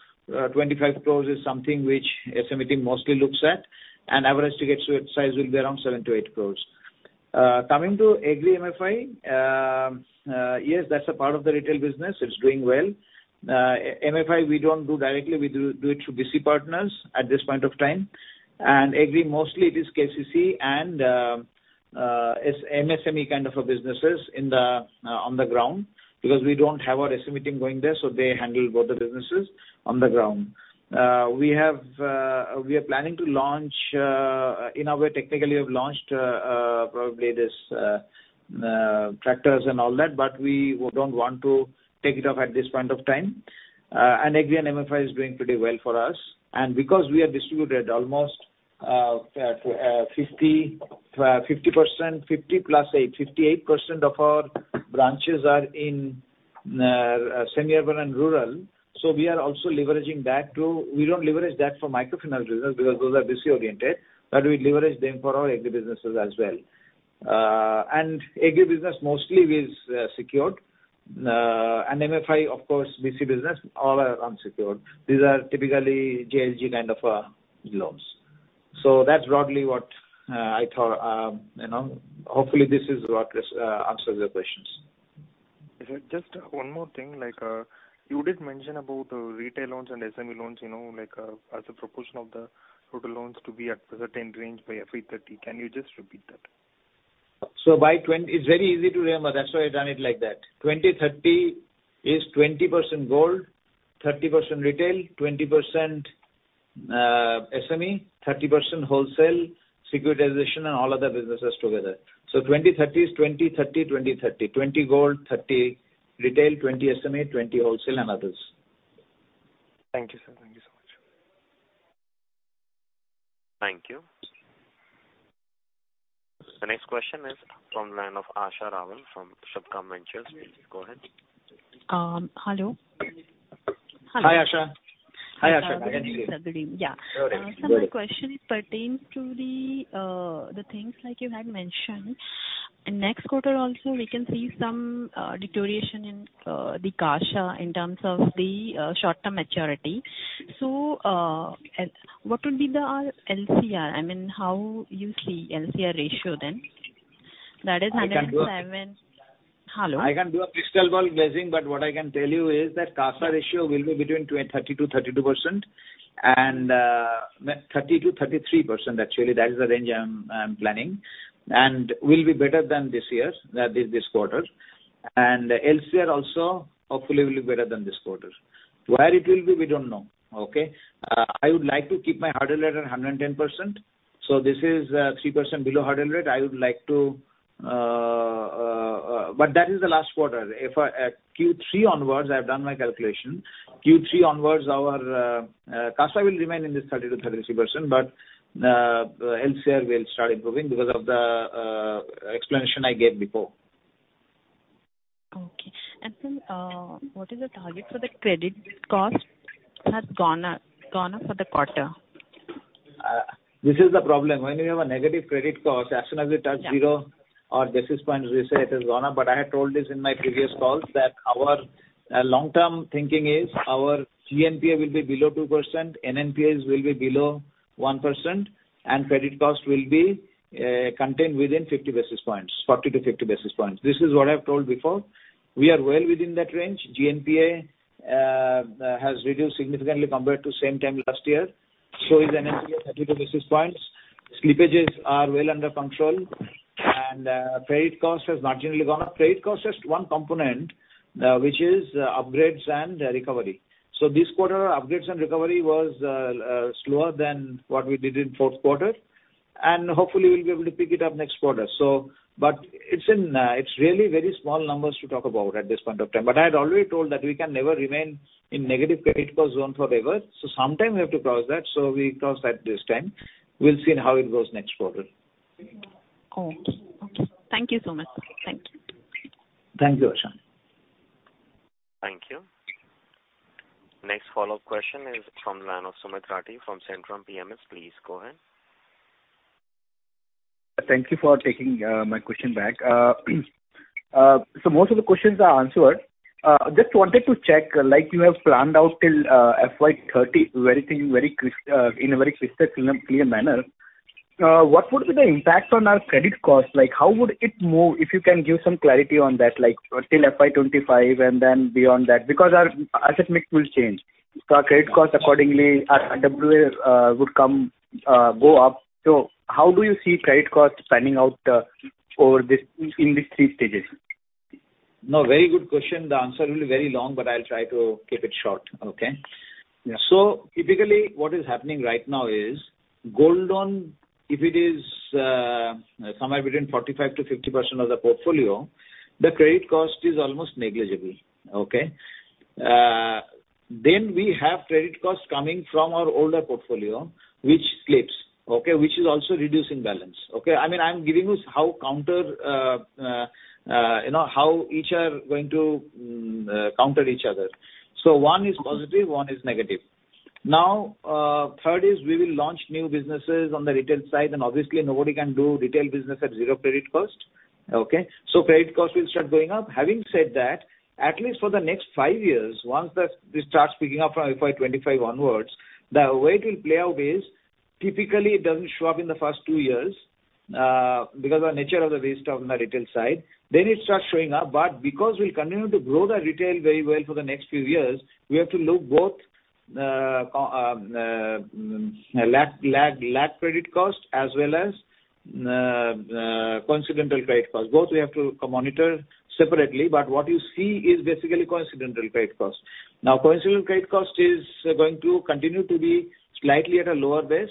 25 crores is something which SME team mostly looks at, and average ticket size will be around 7-8 crores. Coming to Agri MFI, yes, that's a part of the retail business. It's doing well. MFI, we don't do directly, we do it through BC partners at this point of time. Agri, mostly it is KCC and MSME kind of businesses in the on the ground, because we don't have our SME team going there, so they handle both the businesses on the ground. We have, we are planning to launch, in a way, technically, we have launched, probably this, tractors and all that, but we don't want to take it off at this point of time. Agri and MFI is doing pretty well for us. Because we are distributed almost, 58% of our branches are in semi-urban and rural, so we are also leveraging that. We don't leverage that for microfinance business because those are BC-oriented, but we leverage them for our Agri businesses as well. Agri business mostly is secured, and MFI, of course, BC business, all are unsecured. These are typically JLG kind of loans. That's broadly what I thought, you know, hopefully this is what answers your questions. Just one more thing, like, you did mention about, retail loans and SME loans, you know, like, as a proportion of the total loans to be at a certain range by every 30. Can you just repeat that? It's very easy to remember. That's why I've done it like that. 20/30 is 20% gold, 30% retail, 20% SME, 30% wholesale, securitization, and all other businesses together. 20, 30 is 20, 30, 20, 30. 20 gold, 30 retail, 20 SME, 20 wholesale and others. Thank you, sir. Thank you so much. Thank you. The next question is from line of Asha Raman from Spark Capital. Please go ahead. Hello? Hi, Asha. I can hear you. Yeah. All right. My question is pertains to the things like you had mentioned. In next quarter also, we can see some deterioration in the CASA in terms of the short-term maturity. What would be the LCR? I mean, how you see LCR ratio then? That is 107- I can do. Hello? I can do a crystal ball glazing, but what I can tell you is that CASA ratio will be between 20, 30% to 32%. 30% to 33%, actually. That is the range I'm planning, and will be better than this year, this quarter. LCR also, hopefully, will be better than this quarter. Where it will be, we don't know, okay? I would like to keep my hard rate at 110%, so this is 3% below hard rate. I would like to but that is the last quarter. If I Q3 onwards, I've done my calculation. Q3 onwards, our CASA will remain in this 30% to 33%, but LCR will start improving because of the explanation I gave before. Okay. What is the target for the credit cost has gone up for the quarter? This is the problem. When you have a negative credit cost, as soon as you touch zero... Yeah. or basis points, we say it is gone up. I had told this in my previous calls, that our long-term thinking is our GNPA will be below 2%, NNPA will be below 1%, and credit cost will be contained within 50 basis points, 40-50 basis points. This is what I've told before. We are well within that range. GNPA has reduced significantly compared to same time last year. NNPA, 32 basis points. Slippages are well under control, and credit cost has marginally gone up. Credit cost has one component, which is upgrades and recovery. This quarter, upgrades and recovery was slower than what we did in fourth quarter, and hopefully, we'll be able to pick it up next quarter. But it's in, it's really very small numbers to talk about at this point of time. I had already told that we can never remain in negative credit cost zone forever, so sometime we have to cross that, so we crossed that this time. We'll see how it goes next quarter. Okay. Okay. Thank you so much, sir. Thank you. Thank you, Asha. Thank you. Next follow-up question is from the line of Sumit Rathi from Centrum PMS. Please go ahead. Thank you for taking my question back. Most of the questions are answered. Just wanted to check, like you have planned out till FY 2030, in a very crisp and clear manner. What would be the impact on our credit cost? Like, how would it move? If you can give some clarity on that, like till FY 2025 and then beyond that, because our asset mix will change. Our credit cost accordingly, our NWA would go up. How do you see credit cost panning out over this, in these three stages? No, very good question. The answer will be very long, but I'll try to keep it short, okay? Yeah. Typically, what is happening right now is, gold loan, if it is somewhere between 45%-50% of the portfolio, the credit cost is almost negligible. Okay. We have credit costs coming from our older portfolio, which slips, okay? Which is also reducing balance. Okay. I mean, I'm giving you how counter, you know, how each are going to counter each other. One is positive, one is negative. Third is we will launch new businesses on the retail side, and obviously, nobody can do retail business at 0 credit cost. Okay. Credit cost will start going up. Having said that, at least for the next 5 years, once that, this starts picking up from FY 25 onwards, the way it will play out is, typically it doesn't show up in the first 2 years because the nature of the business on the retail side. It starts showing up, but because we'll continue to grow the retail very well for the next few years, we have to look both lagged credit cost as well as coincidental credit cost. Both we have to monitor separately, but what you see is basically coincidental credit cost. Coincidental credit cost is going to continue to be slightly at a lower base,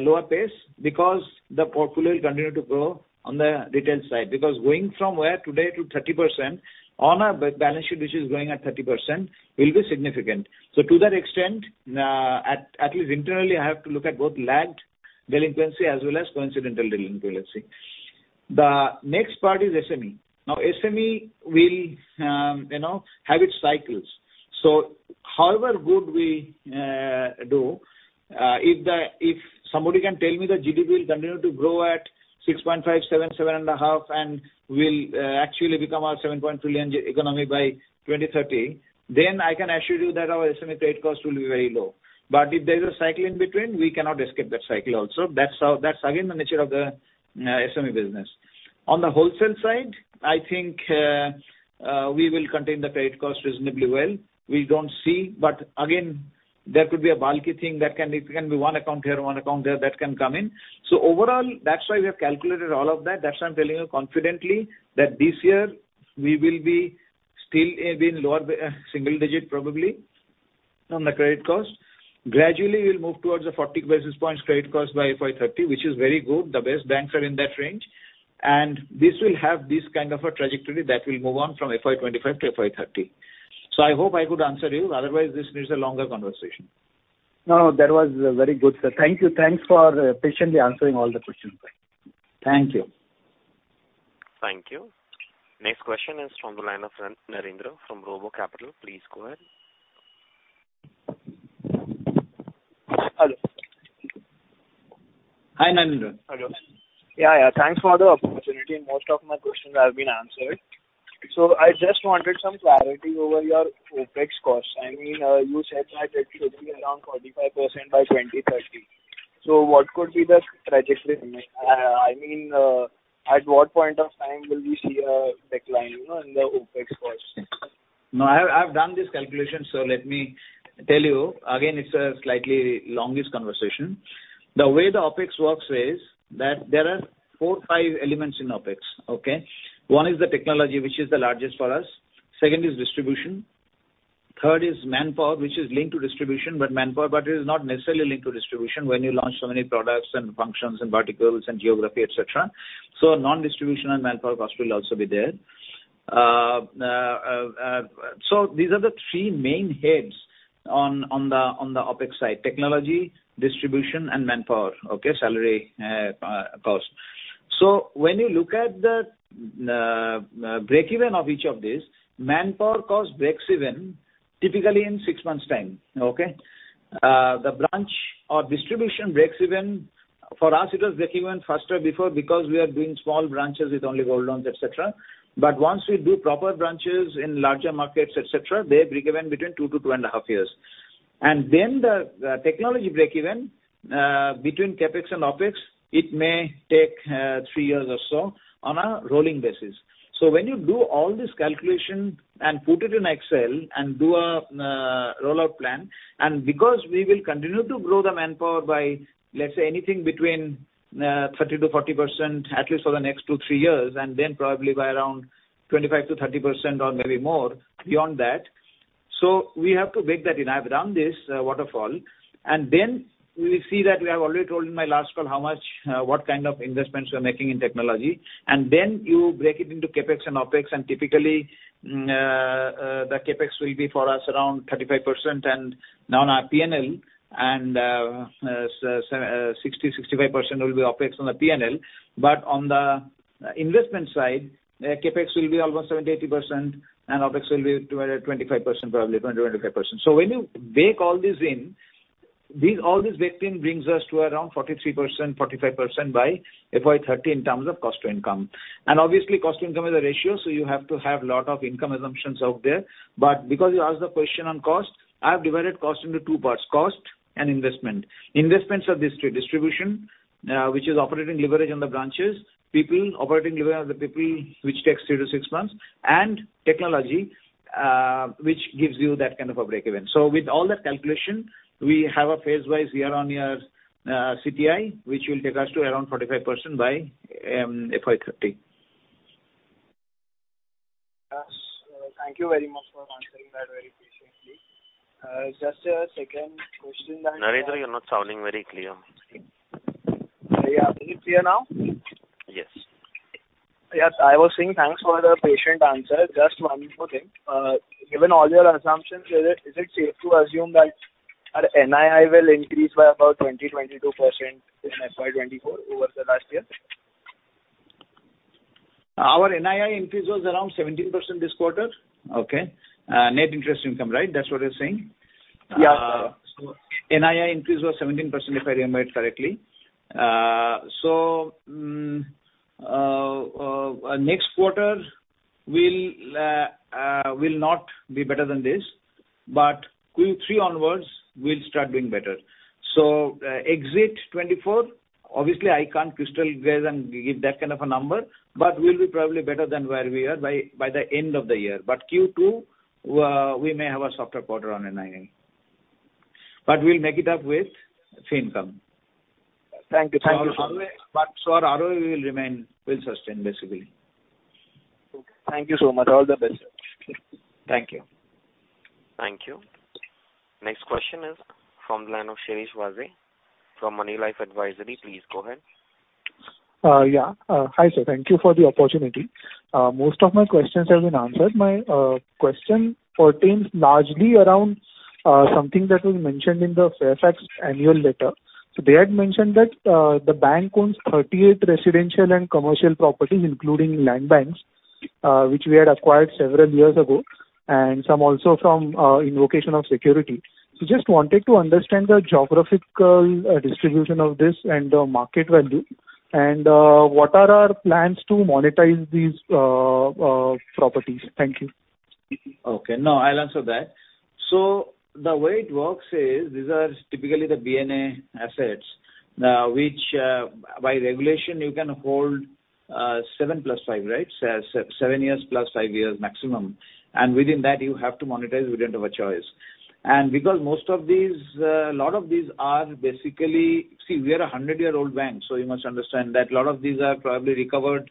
lower pace, because the portfolio will continue to grow on the retail side. Going from where today to 30% on our balance sheet, which is going at 30%, will be significant. To that extent, at least internally, I have to look at both lagged delinquency as well as coincidental delinquency. The next part is SME. SME will, you know, have its cycles. However good we do, if somebody can tell me the GDP will continue to grow at 6.5, 7.5, and will actually become a 7 trillion economy by 2030, then I can assure you that our SME credit cost will be very low. If there is a cycle in between, we cannot escape that cycle also. That's how, that's again, the nature of the SME business. On the wholesale side, I think, we will contain the credit cost reasonably well. We don't see, again, there could be a bulky thing that it can be one account here, one account there, that can come in. Overall, that's why we have calculated all of that. That's why I'm telling you confidently that this year we will be still in lower, single digit, probably, on the credit cost. Gradually, we'll move towards the 40 basis points credit cost by FY30, which is very good. The best banks are in that range. This will have this kind of a trajectory that will move on from FY25 to FY30. I hope I could answer you, otherwise, this needs a longer conversation. No, that was very good, sir. Thank you. Thanks for patiently answering all the questions. Thank you. Thank you. Next question is from the line of Narendran from RoboCapital. Please go ahead. Hello. Hi, Narendran. Hello. Yeah, thanks for the opportunity. Most of my questions have been answered. I just wanted some clarity over your OpEx costs. I mean, you said that it will be around 45% by 2030. What could be the trajectory? I mean, at what point of time will we see a decline, you know, in the OpEx costs? No, I have done this calculation, let me tell you. Again, it's a slightly longest conversation. The way the OpEx works is that there are 4, 5 elements in OpEx, okay? One is the technology, which is the largest for us. Second is distribution. Third is manpower, which is linked to distribution, but it is not necessarily linked to distribution when you launch so many products and functions and verticals and geography, et cetera. Non-distribution and manpower cost will also be there. These are the three main heads on the OpEx side: technology, distribution, and manpower, okay? Salary cost. When you look at the break even of each of these, manpower costs breaks even, typically in 6 months' time, okay? The branch or distribution breaks even, for us, it was break even faster before because we are doing small branches with only gold loans, et cetera. Once we do proper branches in larger markets, et cetera, they break even between two-two point five years. Then the technology break even between CapEx and OpEx, it may take three years or so on a rolling basis. When you do all this calculation and put it in Excel and do a rollout plan, because we will continue to grow the manpower by, let's say, anything between 30%-40%, at least for the next two -threeyears, and then probably by around 25%-30% or maybe more beyond that. We have to bake that in. I've done this, waterfall, we see that we have already told in my last call how much, what kind of investments we are making in technology. You break it into CapEx and OpEx, and typically, the CapEx will be for us around 35% and now on our PNL, 65% will be OpEx on the PNL. On the investment side, CapEx will be almost 70%-80%, and OpEx will be 20%-25%, probably 20%-25%. When you bake all this in, these all this baked in brings us to around 43%-45% by FY30 in terms of cost to income. Obviously, cost to income is a ratio, so you have to have a lot of income assumptions out there. Because you asked the question on cost, I have divided cost into 2 parts: cost and investment. Investments are these 2: distribution, which is operating leverage on the branches, people, operating leverage on the people, which takes 2 to 6 months, and technology, which gives you that kind of a break even. With all that calculation, we have a phase-wise year-on-year CTI, which will take us to around 45% by FY 2030. Yes. Thank you very much for answering that very patiently. Just a second question. Narendran, you're not sounding very clear. Yeah. Is it clear now? Yes. Yes, I was saying thanks for the patient answer. Just one more thing. Given all your assumptions, is it safe to assume that our NII will increase by about 20%-22% in FY 2024 over the last year? Our NII increase was around 17% this quarter, okay? net interest income, right? That's what you're saying. Yeah. NII increase was 17%, if I remember it correctly. next quarter will not be better than this, but Q3 onwards, we'll start doing better. Exit 2024, obviously, I can't crystalize and give that kind of a number, but we'll be probably better than where we are by the end of the year. Q2, we may have a softer quarter on NII. We'll make it up with fee income. Thank you. Thank you so much. Our ROE will remain, will sustain basically. Thank you so much. All the best. Thank you. Thank you. Next question is from the line of Shirish Vaze, from Moneylife Advisory. Please go ahead. Yeah. Hi, sir. Thank you for the opportunity. Most of my questions have been answered. My question pertains largely around something that was mentioned in the Fairfax annual letter. They had mentioned that the bank owns 38 residential and commercial properties, including land banks, which we had acquired several years ago, and some also from invocation of security. Just wanted to understand the geographical distribution of this and the market value, and what are our plans to monetize these properties? Thank you. Okay, now I'll answer that. The way it works is, these are typically the BNA assets, which, by regulation, you can hold, seven + five, right? seven years + five years maximum, and within that, you have to monetize within of a choice. Because most of these, a lot of these are basically... See, we are a 100-year-old bank, so you must understand that a lot of these are probably recovered,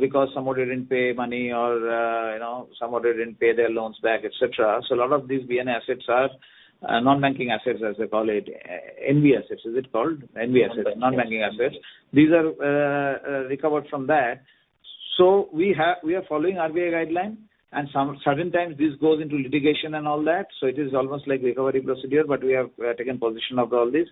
because somebody didn't pay money or, you know, somebody didn't pay their loans back, et cetera. A lot of these BNA assets are, non-banking assets, as they call it, NB assets, is it called? NB assets. Non-banking assets. Non-banking assets. These are recovered from that.... We have, we are following RBI guideline, and some certain times this goes into litigation and all that, so it is almost like recovery procedure, but we have taken position of all this.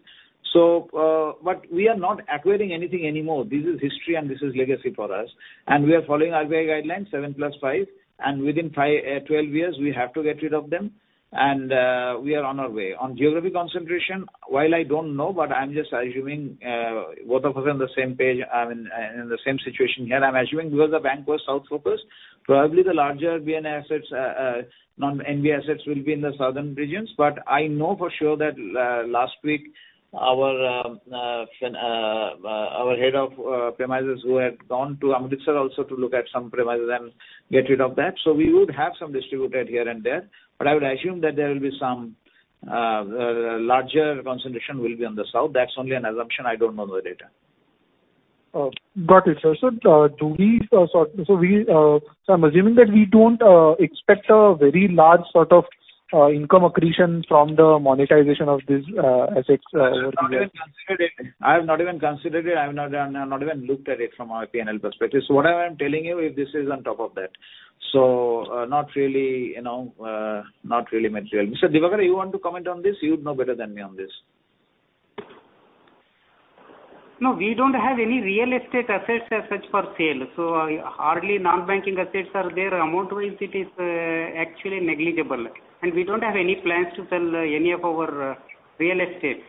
We are not acquiring anything anymore. This is history, and this is legacy for us. We are following RBI guidelines, seven + five, and within five, 12 years, we have to get rid of them, and we are on our way. On geographic concentration, while I don't know, but I'm just assuming both of us are on the same page, I mean, in the same situation here. I'm assuming because the bank was South-focused, probably the larger VN assets, non-NVA assets will be in the Southern regions. I know for sure that last week, our head of premises who had gone to Amritsar also to look at some premises and get rid of that. We would have some distributed here and there, but I would assume that there will be some larger concentration will be on the south. That's only an assumption, I don't know the data. Oh, got it, sir. I'm assuming that we don't expect a very large sort of income accretion from the monetization of this assets over the years. I've not even considered it. I have not even considered it. I've not even looked at it from a PNL perspective. What I am telling you, if this is on top of that. Not really, you know, not really material. Mr. Divakara, you want to comment on this? You'd know better than me on this. No, we don't have any real estate assets as such for sale, so hardly non-banking assets are there, amount-wise it is actually negligible. We don't have any plans to sell any of our real estates.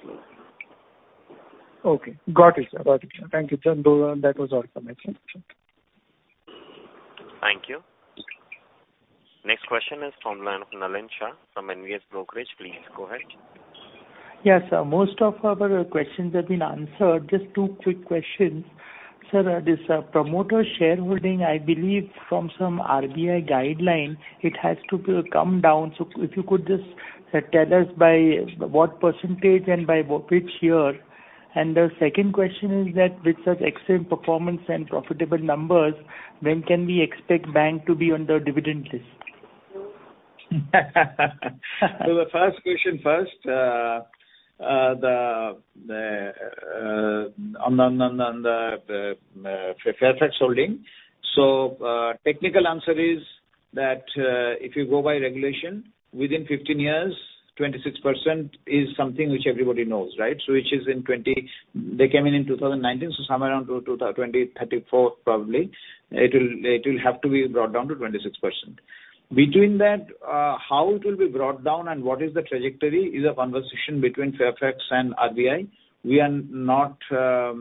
Okay. Got it, sir. Got it, sir. Thank you. That was all from my side. Thank you. Next question is from Nalin Shah from NVS Brokerage. Please, go ahead. Yes, sir. Most of our questions have been answered. Just two quick questions. Sir, this, promoter shareholding, I believe from some RBI guideline, it has to come down. If you could just tell us by what % and by which year? The second question is that with such excellent performance and profitable numbers, when can we expect Bank to be on the dividend list? The first question first, on the Fairfax holding. Technical answer is that if you go by regulation, within 15 years, 26% is something which everybody knows, right? They came in 2019, somewhere around 2034, probably, it'll have to be brought down to 26%. Between that, how it will be brought down and what is the trajectory is a conversation between Fairfax and RBI. We are not a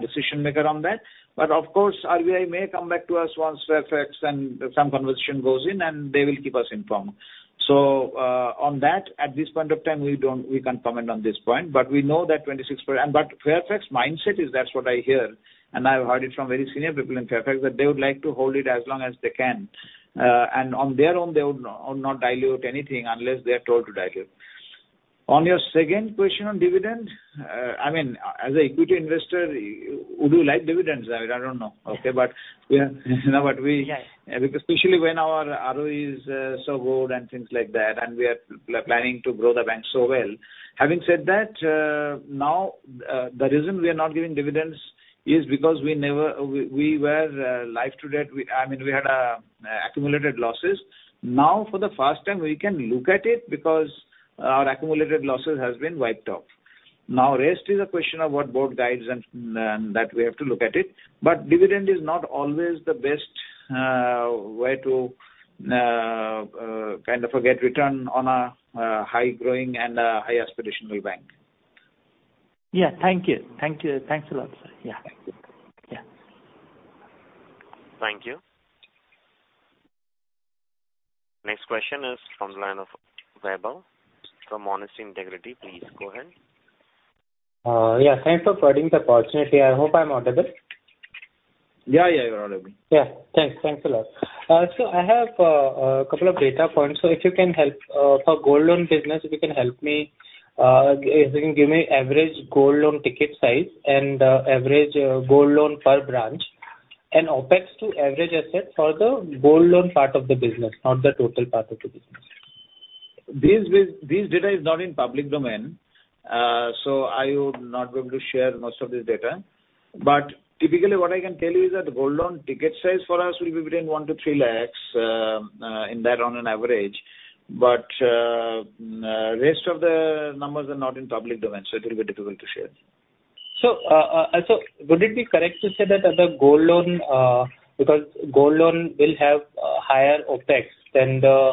decision maker on that. Of course, RBI may come back to us once Fairfax and some conversation goes in, and they will keep us informed. On that, at this point of time, we can't comment on this point, but we know that 26%. Fairfax mindset is that's what I hear, and I've heard it from very senior people in Fairfax, that they would like to hold it as long as they can. On their own, they would not dilute anything unless they are told to dilute. On your second question on dividend, I mean, as an equity investor, would you like dividends? I don't know. Okay, but, you know what?... Yeah. especially when our ROE is so good and things like that, and we are planning to grow the bank so well. Having said that, the reason we are not giving dividends is because we never, we were live today. I mean, we had accumulated losses. For the first time, we can look at it because our accumulated losses has been wiped off. Rest is a question of what board guides and that we have to look at it. Dividend is not always the best way to kind of forget return on a high growing and a high aspirational bank. Yeah. Thank you. Thank you. Thanks a lot, sir. Yeah. Thank you. Yeah. Thank you. Next question is from the line of Vaibhav from Honesty and Integrity Investment. Please, go ahead. Yeah, thanks for providing the opportunity. I hope I'm audible? Yeah, you're audible. Yeah. Thanks. Thanks a lot. I have a couple of data points. If you can help for gold loan business, if you can help me, if you can give me average gold loan ticket size and average gold loan per branch, and OpEx to average asset for the gold loan part of the business, not the total part of the business. This data is not in public domain, so I would not be able to share most of this data. Typically, what I can tell you is that the gold loan ticket size for us will be between 1 lakh-3 lakhs in that on an average. Rest of the numbers are not in public domain, so it will be difficult to share. Would it be correct to say that the gold loan, because gold loan will have higher OPEX than the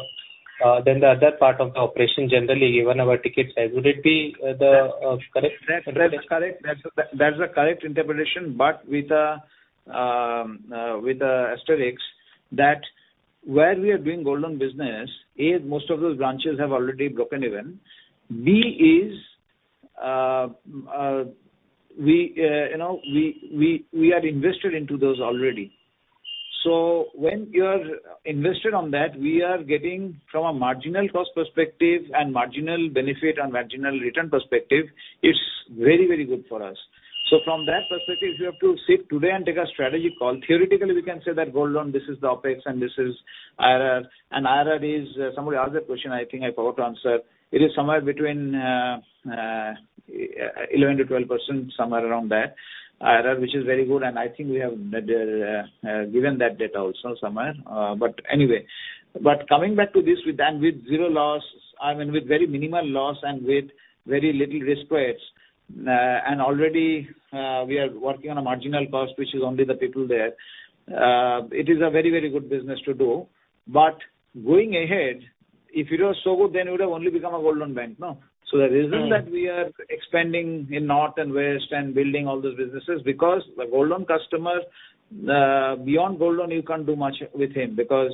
other part of the operation, generally, given our ticket size, would it be the correct? That's correct. That's the correct interpretation, but with a asterisk, that where we are doing gold loan business, A, most of those branches have already broken even. B is, you know, we had invested into those already. When you are invested on that, we are getting from a marginal cost perspective and marginal benefit and marginal return perspective, it's very, very good for us. From that perspective, if you have to sit today and take a strategy call, theoretically, we can say that gold loan, this is the OpEx, and this is IRR. IRR is, somebody asked that question, I think I forgot to answer. It is somewhere between 11%-12%, somewhere around that, IRR, which is very good, and I think we have given that data also somewhere. Anyway. Coming back to this, with that, with zero loss, I mean, with very minimal loss and with very little risk spreads, and already, we are working on a marginal cost, which is only the people there. It is a very, very good business to do. Going ahead, if it was so good, then it would have only become a gold loan bank, no? Mm. The reason that we are expanding in north and west and building all those businesses, because the gold loan customer, the beyond gold loan, you can't do much with him, because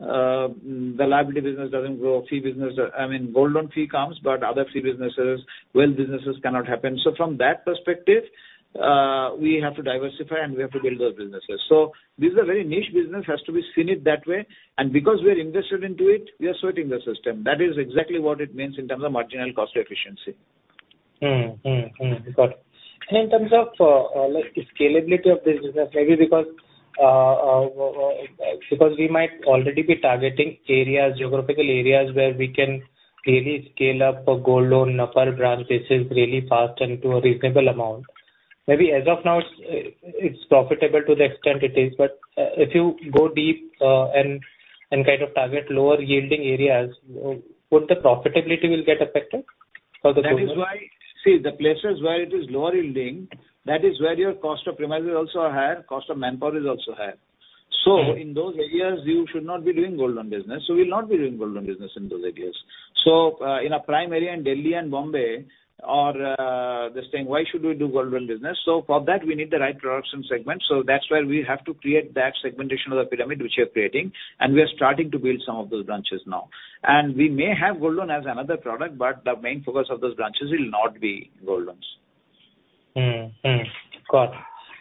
the liability business doesn't grow. Fee business, I mean, gold loan fee comes, but other fee businesses, wealth businesses cannot happen. From that perspective, we have to diversify and we have to build those businesses. This is a very niche business, has to be seen it that way. Because we are invested into it, we are sorting the system. That is exactly what it means in terms of marginal cost efficiency. Mm-hmm, mm-hmm. Got it. In terms of like scalability of this business, maybe because we might already be targeting areas, geographical areas, where we can really scale up a gold loan on a per branch basis really fast and to a reasonable amount. Maybe as of now, it's profitable to the extent it is. If you go deep and kind of target lower yielding areas, would the profitability will get affected for the gold loan? That is why. See, the places where it is lower yielding, that is where your cost of premises also are higher, cost of manpower is also higher. Mm. In those areas, you should not be doing gold loan business, we'll not be doing gold loan business in those areas. In a prime area in Delhi and Bombay are, this thing, why should we do gold loan business? For that, we need the right products and segments. That's where we have to create that segmentation of the pyramid, which we are creating, and we are starting to build some of those branches now. We may have gold loan as another product, but the main focus of those branches will not be gold loans. Mm-hmm. Got it.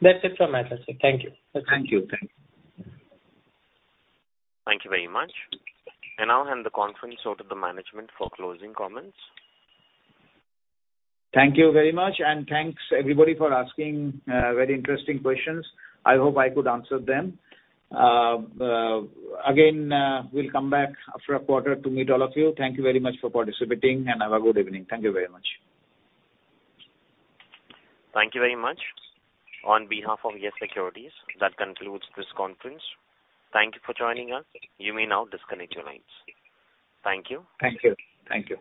That's it from my side, sir. Thank you. Thank you. Thank you. Thank you very much. I now hand the conference over to the management for closing comments. Thank you very much. Thanks everybody for asking very interesting questions. I hope I could answer them. Again, we'll come back after a quarter to meet all of you. Thank you very much for participating. Have a good evening. Thank you very much. Thank you very much. On behalf of Yes Securities, that concludes this conference. Thank you for joining us. You may now disconnect your lines. Thank you. Thank you. Thank you.